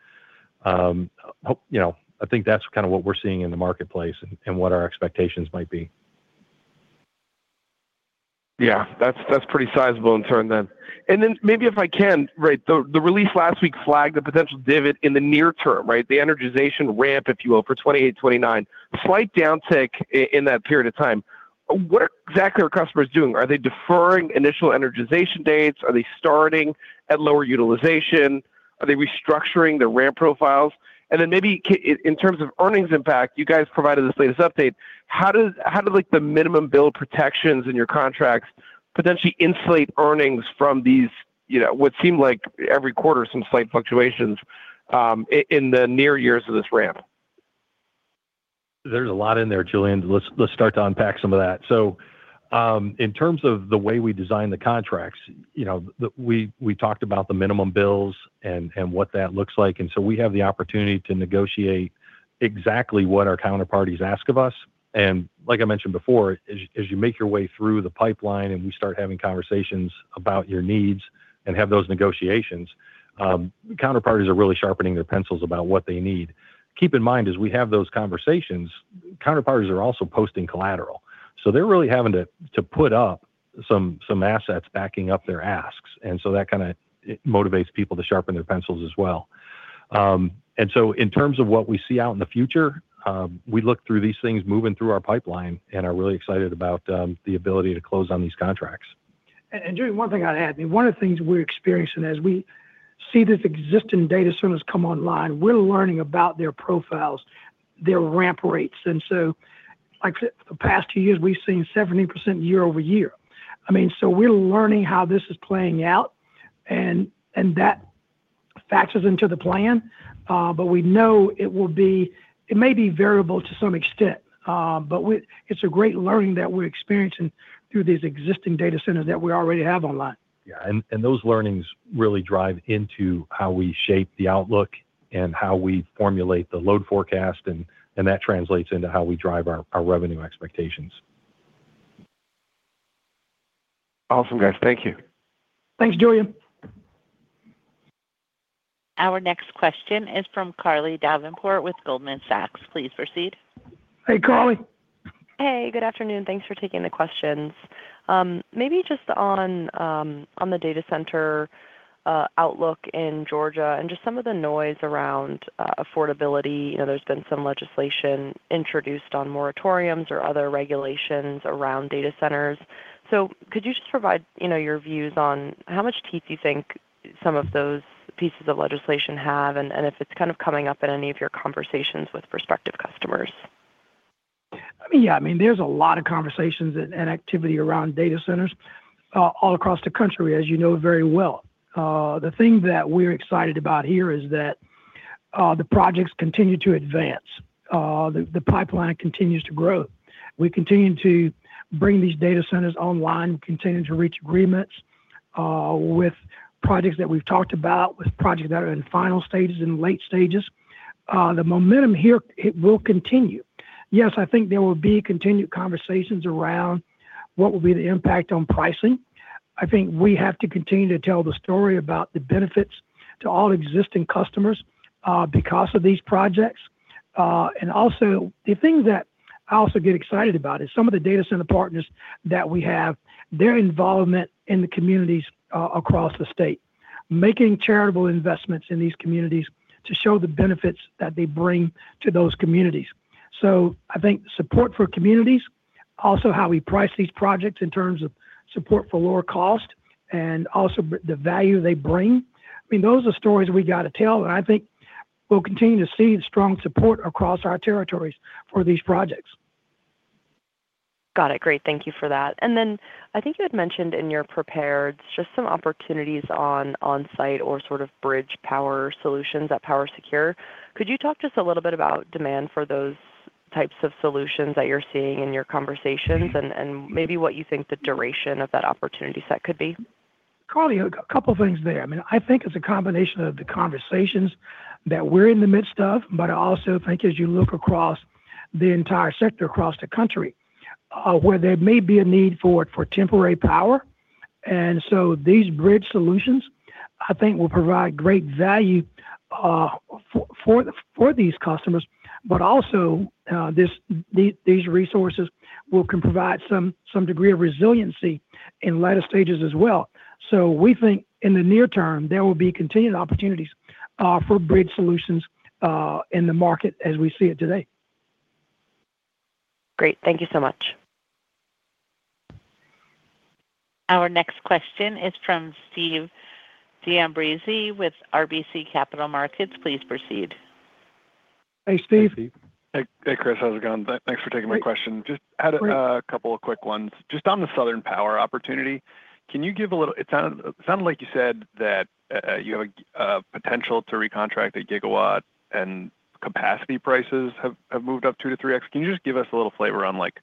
You know, I think that's kind of what we're seeing in the marketplace and, and what our expectations might be. ... Yeah, that's, that's pretty sizable in turn then. And then maybe if I can, right, the, the release last week flagged a potential divot in the near term, right? The energization ramp, if you will, for 2028, 2029. Slight downtick in that period of time. What exactly are customers doing? Are they deferring initial energization dates? Are they starting at lower utilization? Are they restructuring their ramp profiles? And then maybe in terms of earnings impact, you guys provided this latest update, how does, how do, like, the minimum bill protections in your contracts potentially insulate earnings from these, you know, what seem like every quarter, some slight fluctuations, in the near years of this ramp? There's a lot in there, Julian. Let's start to unpack some of that. So, in terms of the way we design the contracts, you know, we talked about the minimum bills and what that looks like, and so we have the opportunity to negotiate exactly what our counterparties ask of us. And like I mentioned before, as you make your way through the pipeline and we start having conversations about your needs and have those negotiations, counterparties are really sharpening their pencils about what they need. Keep in mind, as we have those conversations, counterparties are also posting collateral. So they're really having to put up some assets backing up their asks, and so that kind of motivates people to sharpen their pencils as well. And so in terms of what we see out in the future, we look through these things moving through our pipeline and are really excited about the ability to close on these contracts. Julian, one thing I'd add. I mean, one of the things we're experiencing as we see this existing data centers come online, we're learning about their profiles, their ramp rates. And so, like, the past two years, we've seen 70% year-over-year. I mean, so we're learning how this is playing out, and that factors into the plan, but we know it will be, it may be variable to some extent, but it's a great learning that we're experiencing through these existing data centers that we already have online. Yeah, and those learnings really drive into how we shape the outlook and how we formulate the load forecast, and that translates into how we drive our revenue expectations. Awesome, guys. Thank you. Thanks, Julian. Our next question is from Carly Davenport with Goldman Sachs. Please proceed. Hey, Carly. Hey, good afternoon. Thanks for taking the questions. Maybe just on the data center outlook in Georgia and just some of the noise around affordability. You know, there's been some legislation introduced on moratoriums or other regulations around data centers. So could you just provide, you know, your views on how much teeth you think some of those pieces of legislation have, and, and if it's kind of coming up in any of your conversations with prospective customers? I mean, yeah. I mean, there's a lot of conversations and activity around data centers, all across the country, as you know very well. The thing that we're excited about here is that, the projects continue to advance, the pipeline continues to grow. We continue to bring these data centers online, continue to reach agreements, with projects that we've talked about, with projects that are in final stages and late stages. The momentum here, it will continue. Yes, I think there will be continued conversations around what will be the impact on pricing. I think we have to continue to tell the story about the benefits to all existing customers, because of these projects. And also, the thing that I also get excited about is some of the data center partners that we have, their involvement in the communities across the state, making charitable investments in these communities to show the benefits that they bring to those communities. So I think support for communities, also how we price these projects in terms of support for lower cost and also the value they bring, I mean, those are stories we got to tell, and I think we'll continue to see strong support across our territories for these projects. Got it. Great. Thank you for that. And then I think you had mentioned in your prepared just some opportunities on onsite or sort of bridge power solutions at PowerSecure. Could you talk to us a little bit about demand for those types of solutions that you're seeing in your conversations and, and maybe what you think the duration of that opportunity set could be? Carly, a couple of things there. I mean, I think it's a combination of the conversations that we're in the midst of, but I also think as you look across the entire sector, across the country, where there may be a need for temporary power. And so these bridge solutions, I think, will provide great value for these customers, but also, these resources can provide some degree of resiliency in later stages as well. So we think in the near term, there will be continued opportunities for bridge solutions in the market as we see it today. Great. Thank you so much. Our next question is from Steve D'Ambrosio with RBC Capital Markets. Please proceed. Hey, Steve. Hey, Steve. Hey, hey, Chris, how's it going? Thanks for taking my question. Great. Just had a couple of quick ones. Just on the Southern Power opportunity, can you give a little—it sounded, it sounded like you said that you have a potential to recontract a gigawatt and capacity prices have moved up 2x-3x. Can you just give us a little flavor on, like,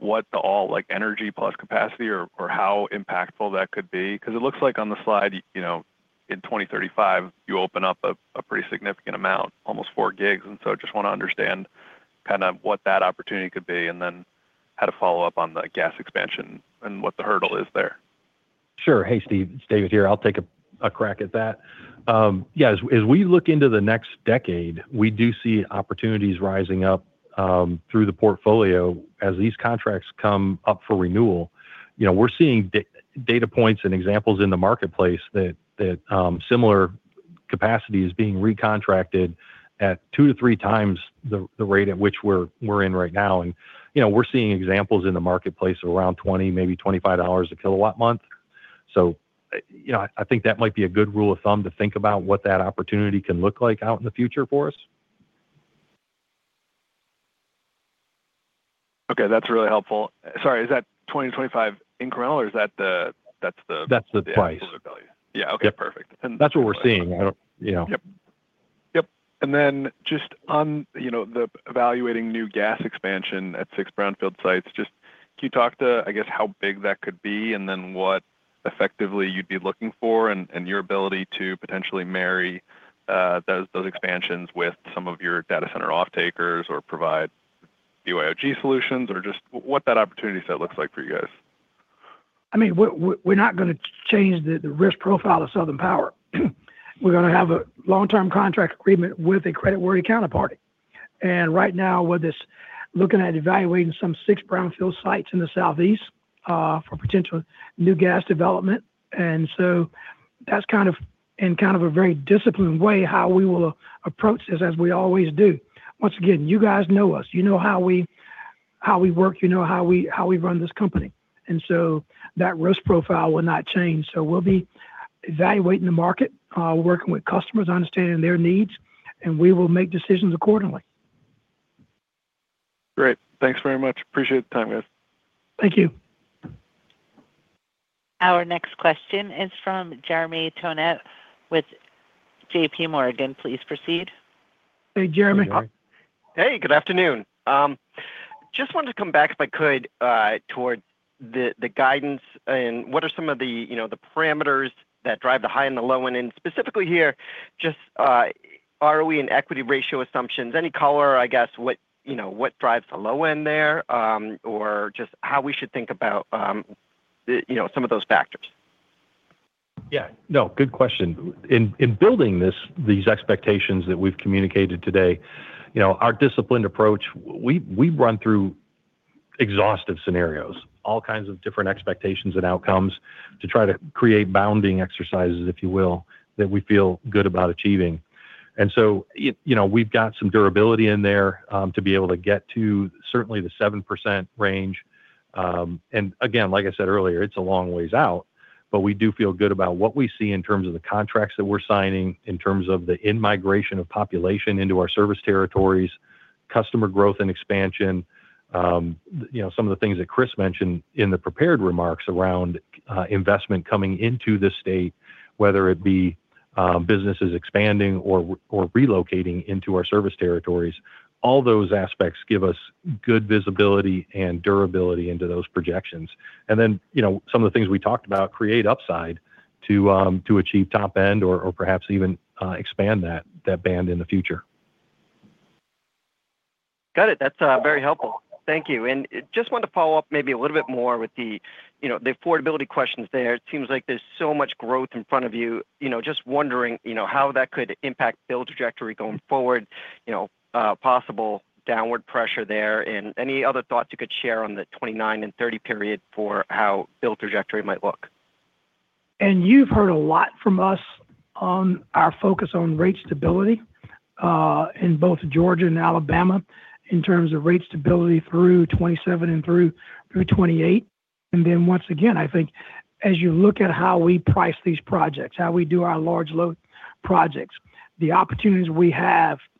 what the all, like, energy plus capacity or how impactful that could be? Because it looks like on the slide, you know, in 2035, you open up a pretty significant amount, almost 4 gigs, and so just want to understand kind of what that opportunity could be, and then how to follow up on the gas expansion and what the hurdle is there.... Sure. Hey, Steve, it's David here. I'll take a crack at that. Yeah, as we look into the next decade, we do see opportunities rising up through the portfolio as these contracts come up for renewal. You know, we're seeing data points and examples in the marketplace that similar capacity is being recontracted at 2-3 times the rate at which we're in right now. And, you know, we're seeing examples in the marketplace around $20, maybe $25 a kilowatt month. So, you know, I think that might be a good rule of thumb to think about what that opportunity can look like out in the future for us. Okay, that's really helpful. Sorry, is that 20-25 incremental, or is that the-- that's the- That's the price. Yeah. Okay, perfect. That's what we're seeing. I don't, you know. Yep. Yep. And then just on, you know, the evaluating new gas expansion at six brownfield sites, just can you talk to, I guess, how big that could be and then what effectively you'd be looking for and, and your ability to potentially marry, those, those expansions with some of your data center offtakers or provide UIOG solutions, or just what that opportunity set looks like for you guys? I mean, we're not going to change the risk profile of Southern Power. We're going to have a long-term contract agreement with a creditworthy counterparty. And right now, we're just looking at evaluating some six brownfield sites in the Southeast for potential new gas development. And so that's kind of, in kind of a very disciplined way, how we will approach this, as we always do. Once again, you guys know us. You know how we work, you know how we run this company, and so that risk profile will not change. So we'll be evaluating the market, working with customers, understanding their needs, and we will make decisions accordingly. Great. Thanks very much. Appreciate the time, guys. Thank you. Our next question is from Jeremy Tonet with JP Morgan. Please proceed. Hey, Jeremy. Hey, Jeremy. Hey, good afternoon. Just wanted to come back, if I could, toward the guidance and what are some of the, you know, the parameters that drive the high and the low end? And specifically here, just, are we in equity ratio assumptions? Any color, I guess, what, you know, what drives the low end there, or just how we should think about, you know, some of those factors? Yeah. No, good question. In building this, these expectations that we've communicated today, you know, our disciplined approach, we run through exhaustive scenarios, all kinds of different expectations and outcomes to try to create bounding exercises, if you will, that we feel good about achieving. And so, you know, we've got some durability in there, to be able to get to certainly the 7% range. And again, like I said earlier, it's a long ways out, but we do feel good about what we see in terms of the contracts that we're signing, in terms of the in-migration of population into our service territories, customer growth and expansion. You know, some of the things that Chris mentioned in the prepared remarks around investment coming into this state, whether it be businesses expanding or relocating into our service territories, all those aspects give us good visibility and durability into those projections. And then, you know, some of the things we talked about create upside to achieve top end or perhaps even expand that band in the future. Got it. That's very helpful. Thank you. And just wanted to follow up maybe a little bit more with the, you know, the affordability questions there. It seems like there's so much growth in front of you. You know, just wondering, you know, how that could impact bill trajectory going forward, you know, possible downward pressure there, and any other thoughts you could share on the 2029 and 2030 period for how bill trajectory might look. You've heard a lot from us on our focus on rate stability in both Georgia and Alabama, in terms of rate stability through 2027 and through 2028. Then once again, I think as you look at how we price these projects, how we do our large load projects, the opportunities we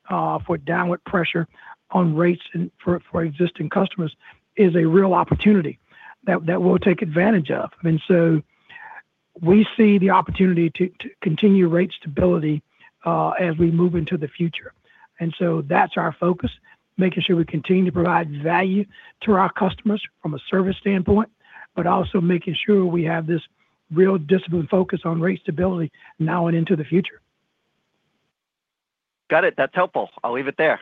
have for downward pressure on rates and for existing customers is a real opportunity that we'll take advantage of. I mean, so we see the opportunity to continue rate stability as we move into the future. So that's our focus, making sure we continue to provide value to our customers from a service standpoint, but also making sure we have this real disciplined focus on rate stability now and into the future. Got it. That's helpful. I'll leave it there.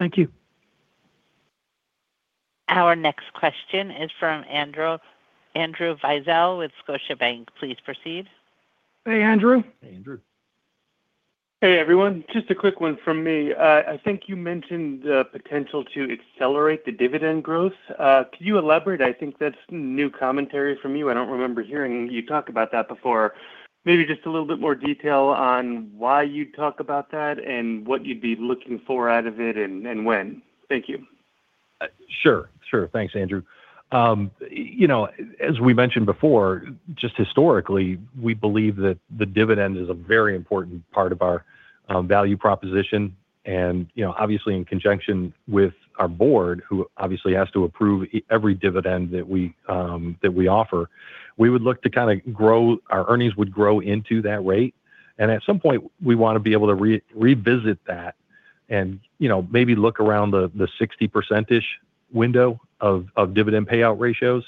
Thank you. Our next question is from Andrew, Andrew Weisel with Scotiabank. Please proceed. Hey, Andrew. Hey, Andrew. Hey, everyone. Just a quick one from me. I think you mentioned the potential to accelerate the dividend growth. Could you elaborate? I think that's new commentary from you. I don't remember hearing you talk about that before. Maybe just a little bit more detail on why you'd talk about that and what you'd be looking for out of it and, and when. Thank you. Sure. Sure. Thanks, Andrew. You know, as we mentioned before, just historically, we believe that the dividend is a very important part of our value proposition. And, you know, obviously, in conjunction with our board, who obviously has to approve every dividend that we offer, we would look to kind of grow, our earnings would grow into that rate. And at some point, we want to be able to revisit that and, you know, maybe look around the 60%-ish window of dividend payout ratios.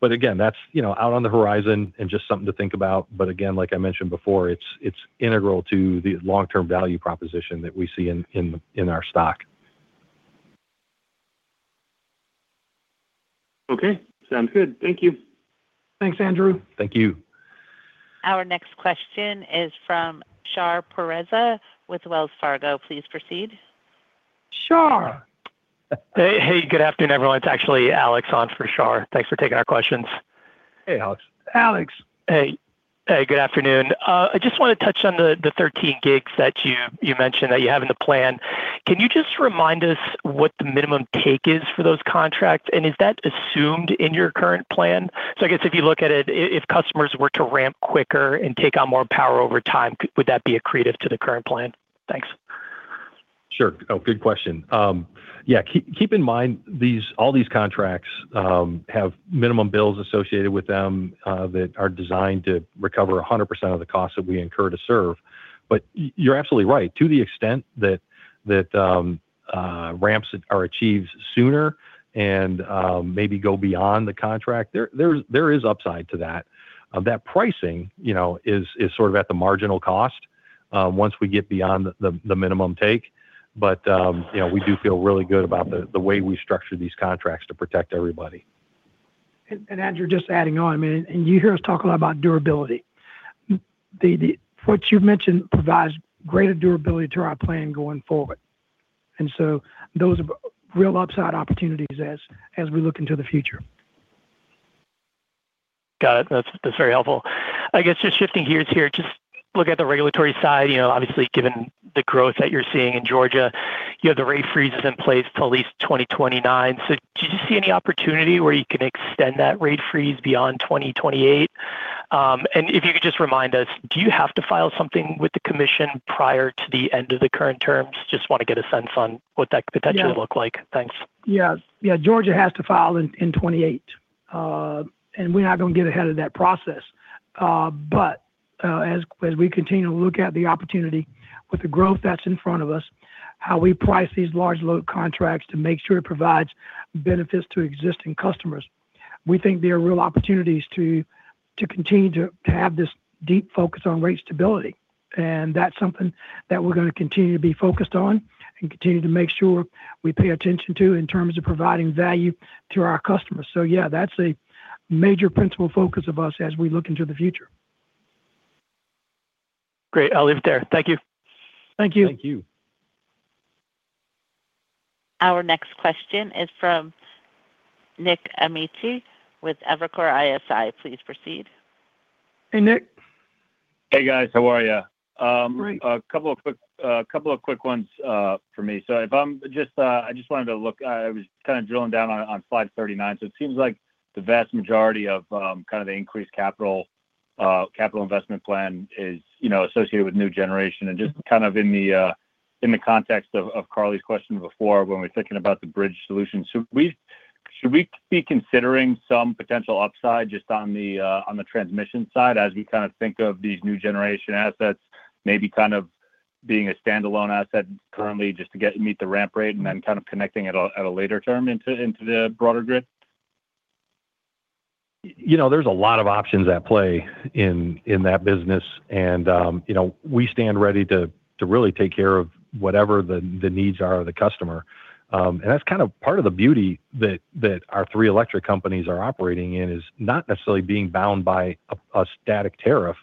But again, that's, you know, out on the horizon and just something to think about. But again, like I mentioned before, it's integral to the long-term value proposition that we see in our stock.... Okay, sounds good. Thank you. Thanks, Andrew. Thank you. Our next question is from Shahriar Pourreza with Wells Fargo. Please proceed. Shar! Hey, hey, good afternoon, everyone. It's actually Alex on for Shar. Thanks for taking our questions. Hey, Alex. Alex. Hey. Hey, good afternoon. I just want to touch on the 13 gigs that you mentioned that you have in the plan. Can you just remind us what the minimum take is for those contracts, and is that assumed in your current plan? So I guess if you look at it, if customers were to ramp quicker and take on more power over time, would that be accretive to the current plan? Thanks. Sure. Oh, good question. Yeah, keep in mind, these, all these contracts have minimum bills associated with them that are designed to recover 100% of the costs that we incur to serve. But you're absolutely right. To the extent that ramps are achieved sooner and maybe go beyond the contract, there is upside to that. That pricing, you know, is sort of at the marginal cost once we get beyond the minimum take. But you know, we do feel really good about the way we structure these contracts to protect everybody. Andrew, just adding on, I mean, and you hear us talk a lot about durability. The what you've mentioned provides greater durability to our plan going forward. And so those are real upside opportunities as we look into the future. Got it. That's very helpful. I guess just shifting gears here, just look at the regulatory side, you know, obviously, given the growth that you're seeing in Georgia, you have the rate freezes in place till at least 2029. So do you see any opportunity where you can extend that rate freeze beyond 2028? And if you could just remind us, do you have to file something with the commission prior to the end of the current terms? Just want to get a sense on what that could potentially- Yeah... look like. Thanks. Yeah. Yeah, Georgia has to file in 2028. We're not going to get ahead of that process. As we continue to look at the opportunity with the growth that's in front of us, how we price these large load contracts to make sure it provides benefits to existing customers, we think there are real opportunities to continue to have this deep focus on rate stability. And that's something that we're going to continue to be focused on and continue to make sure we pay attention to in terms of providing value to our customers. So yeah, that's a major principal focus of us as we look into the future. Great. I'll leave it there. Thank you. Thank you. Thank you. Our next question is from Nick Amici with Evercore ISI. Please proceed. Hey, Nick. Hey, guys. How are you? Great. A couple of quick ones for me. So I just wanted to look. I was kind of drilling down on slide 39. So it seems like the vast majority of kind of the increased capital investment plan is, you know, associated with new generation. And just kind of in the context of Carly's question before, when we're thinking about the bridge solution, should we be considering some potential upside just on the transmission side as we kind of think of these new generation assets, maybe kind of being a standalone asset currently, just to meet the ramp rate and then kind of connecting at a later term into the broader grid? You know, there's a lot of options at play in that business. And, you know, we stand ready to really take care of whatever the needs are of the customer. And that's kind of part of the beauty that our three electric companies are operating in, is not necessarily being bound by a static tariff,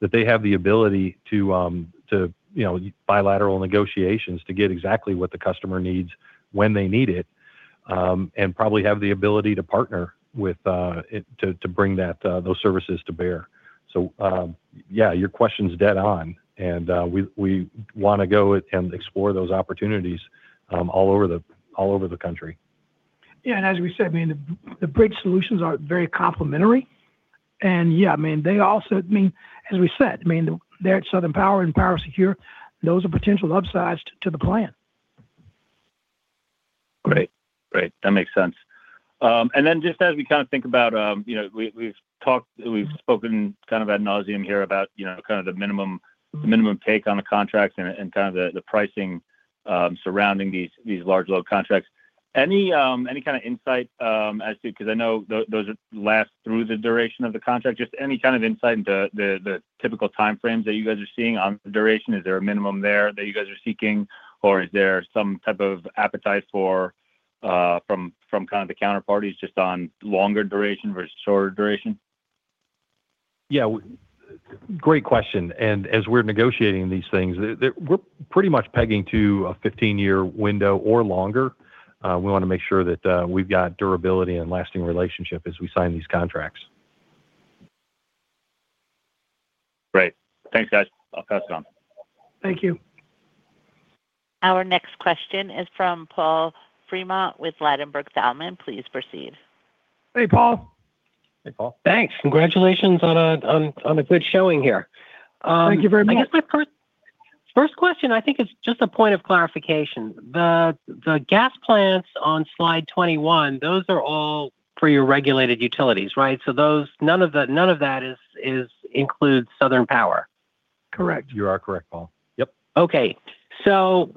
that they have the ability to, you know, bilateral negotiations to get exactly what the customer needs when they need it, and probably have the ability to partner with it to bring that those services to bear. So, yeah, your question is dead on, and we want to go out and explore those opportunities all over the country. Yeah, and as we said, I mean, the bridge solutions are very complementary. And yeah, I mean, they also, I mean, as we said, I mean, they're at Southern Power and PowerSecure, those are potential upsides to the plan. Great. Great, that makes sense. And then just as we kind of think about, you know, we, we've talked, we've spoken kind of ad nauseam here about, you know, kind of the minimum, the minimum take on the contracts and, and kind of the, the pricing, surrounding these, these large load contracts. Any kind of insight, as to—because I know those last through the duration of the contract, just any kind of insight into the, the typical time frames that you guys are seeing on the duration? Is there a minimum there that you guys are seeking, or is there some type of appetite for, from, from kind of the counterparties just on longer duration versus shorter duration? Yeah, great question, and as we're negotiating these things, we're pretty much pegging to a 15-year window or longer. We want to make sure that we've got durability and lasting relationship as we sign these contracts. Great. Thanks, guys. I'll pass it on. Thank you. Our next question is from Paul Fremont with Ladenburg Thalmann. Please proceed. Hey, Paul. Hey, Paul. Thanks. Congratulations on a good showing here. Thank you very much. I guess my first question, I think, is just a point of clarification. The gas plants on slide 21, those are all for your regulated utilities, right? So those, none of that includes Southern Power. Correct. You are correct, Paul. Yep. Okay, so,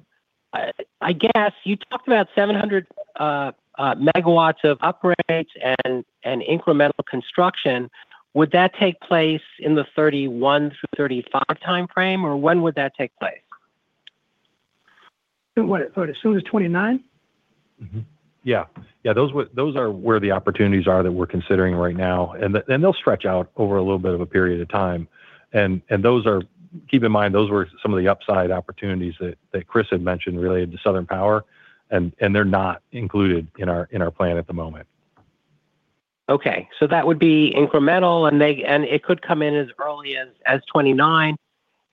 I guess you talked about 700 MW of upgrades and incremental construction. Would that take place in the 31-35 time frame, or when would that take place?... What, as soon as 29? Mm-hmm. Yeah. Yeah, those are where the opportunities are that we're considering right now, and they'll stretch out over a little bit of a period of time. And those are— Keep in mind, those were some of the upside opportunities that Chris had mentioned related to Southern Power, and they're not included in our plan at the moment. Okay, so that would be incremental, and they, and it could come in as early as 2029.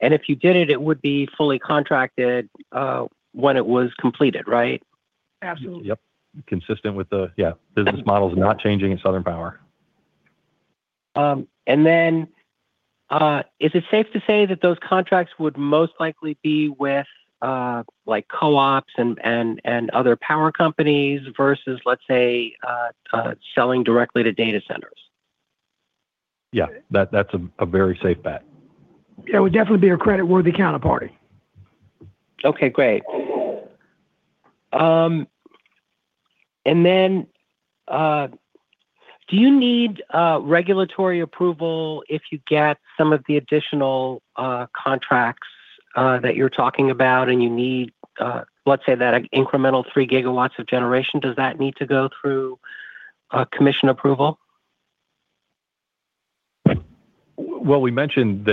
And if you did it, it would be fully contracted when it was completed, right? Absolutely. Yep. Consistent with the, yeah, business model is not changing in Southern Power. And then, is it safe to say that those contracts would most likely be with, like, co-ops and other power companies versus, let's say, selling directly to data centers? Yeah. That's a very safe bet. It would definitely be a creditworthy counterparty. Okay, great. And then, do you need regulatory approval if you get some of the additional contracts that you're talking about, and you need, let's say, that incremental 3 GW of generation, does that need to go through commission approval? Well, we mentioned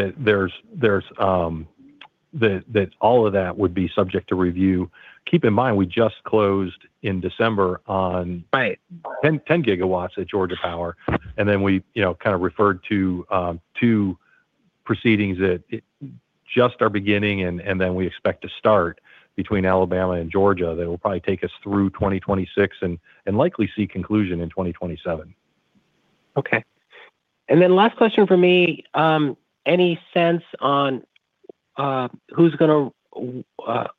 that all of that would be subject to review. Keep in mind, we just closed in December on- Right... 10, 10 gigawatts at Georgia Power, and then we, you know, kind of referred to, two proceedings that it just are beginning, and, and then we expect to start between Alabama and Georgia. They will probably take us through 2026 and, and likely see conclusion in 2027. Okay. And then last question for me, any sense on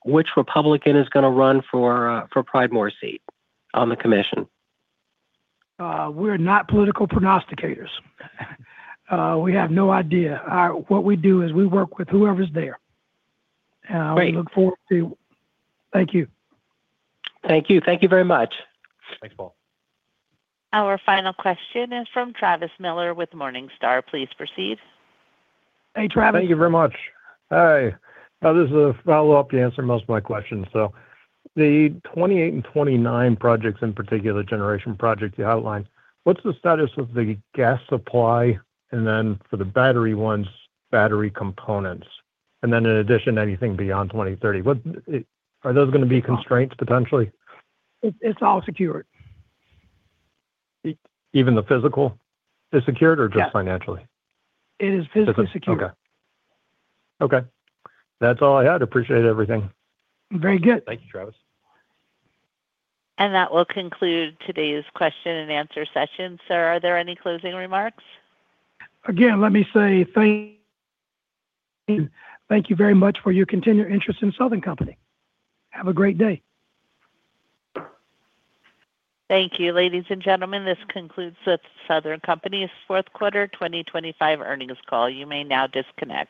which Republican is gonna run for Pridemore's seat on the commission? We're not political prognosticators. We have no idea. What we do is we work with whoever's there. Great. We look forward to... Thank you. Thank you. Thank you very much. Thanks, Paul. Our final question is from Travis Miller with Morningstar. Please proceed. Hey, Travis. Thank you very much. Hi. This is a follow-up. You answered most of my questions. So the 28 and 29 projects, in particular, generation project you outlined, what's the status of the gas supply, and then for the battery ones, battery components? And then in addition, anything beyond 2030, what are those gonna be constraints, potentially? It's all secured. Even the physical is secured or just- Yeah... financially? It is physically secured. Okay. Okay. That's all I had. Appreciate everything. Very good. Thank you, Travis. That will conclude today's question and answer session. Sir, are there any closing remarks? Again, let me say thank you. Thank you very much for your continued interest in Southern Company. Have a great day. Thank you, ladies and gentlemen, this concludes the Southern Company's fourth quarter 2025 earnings call. You may now disconnect.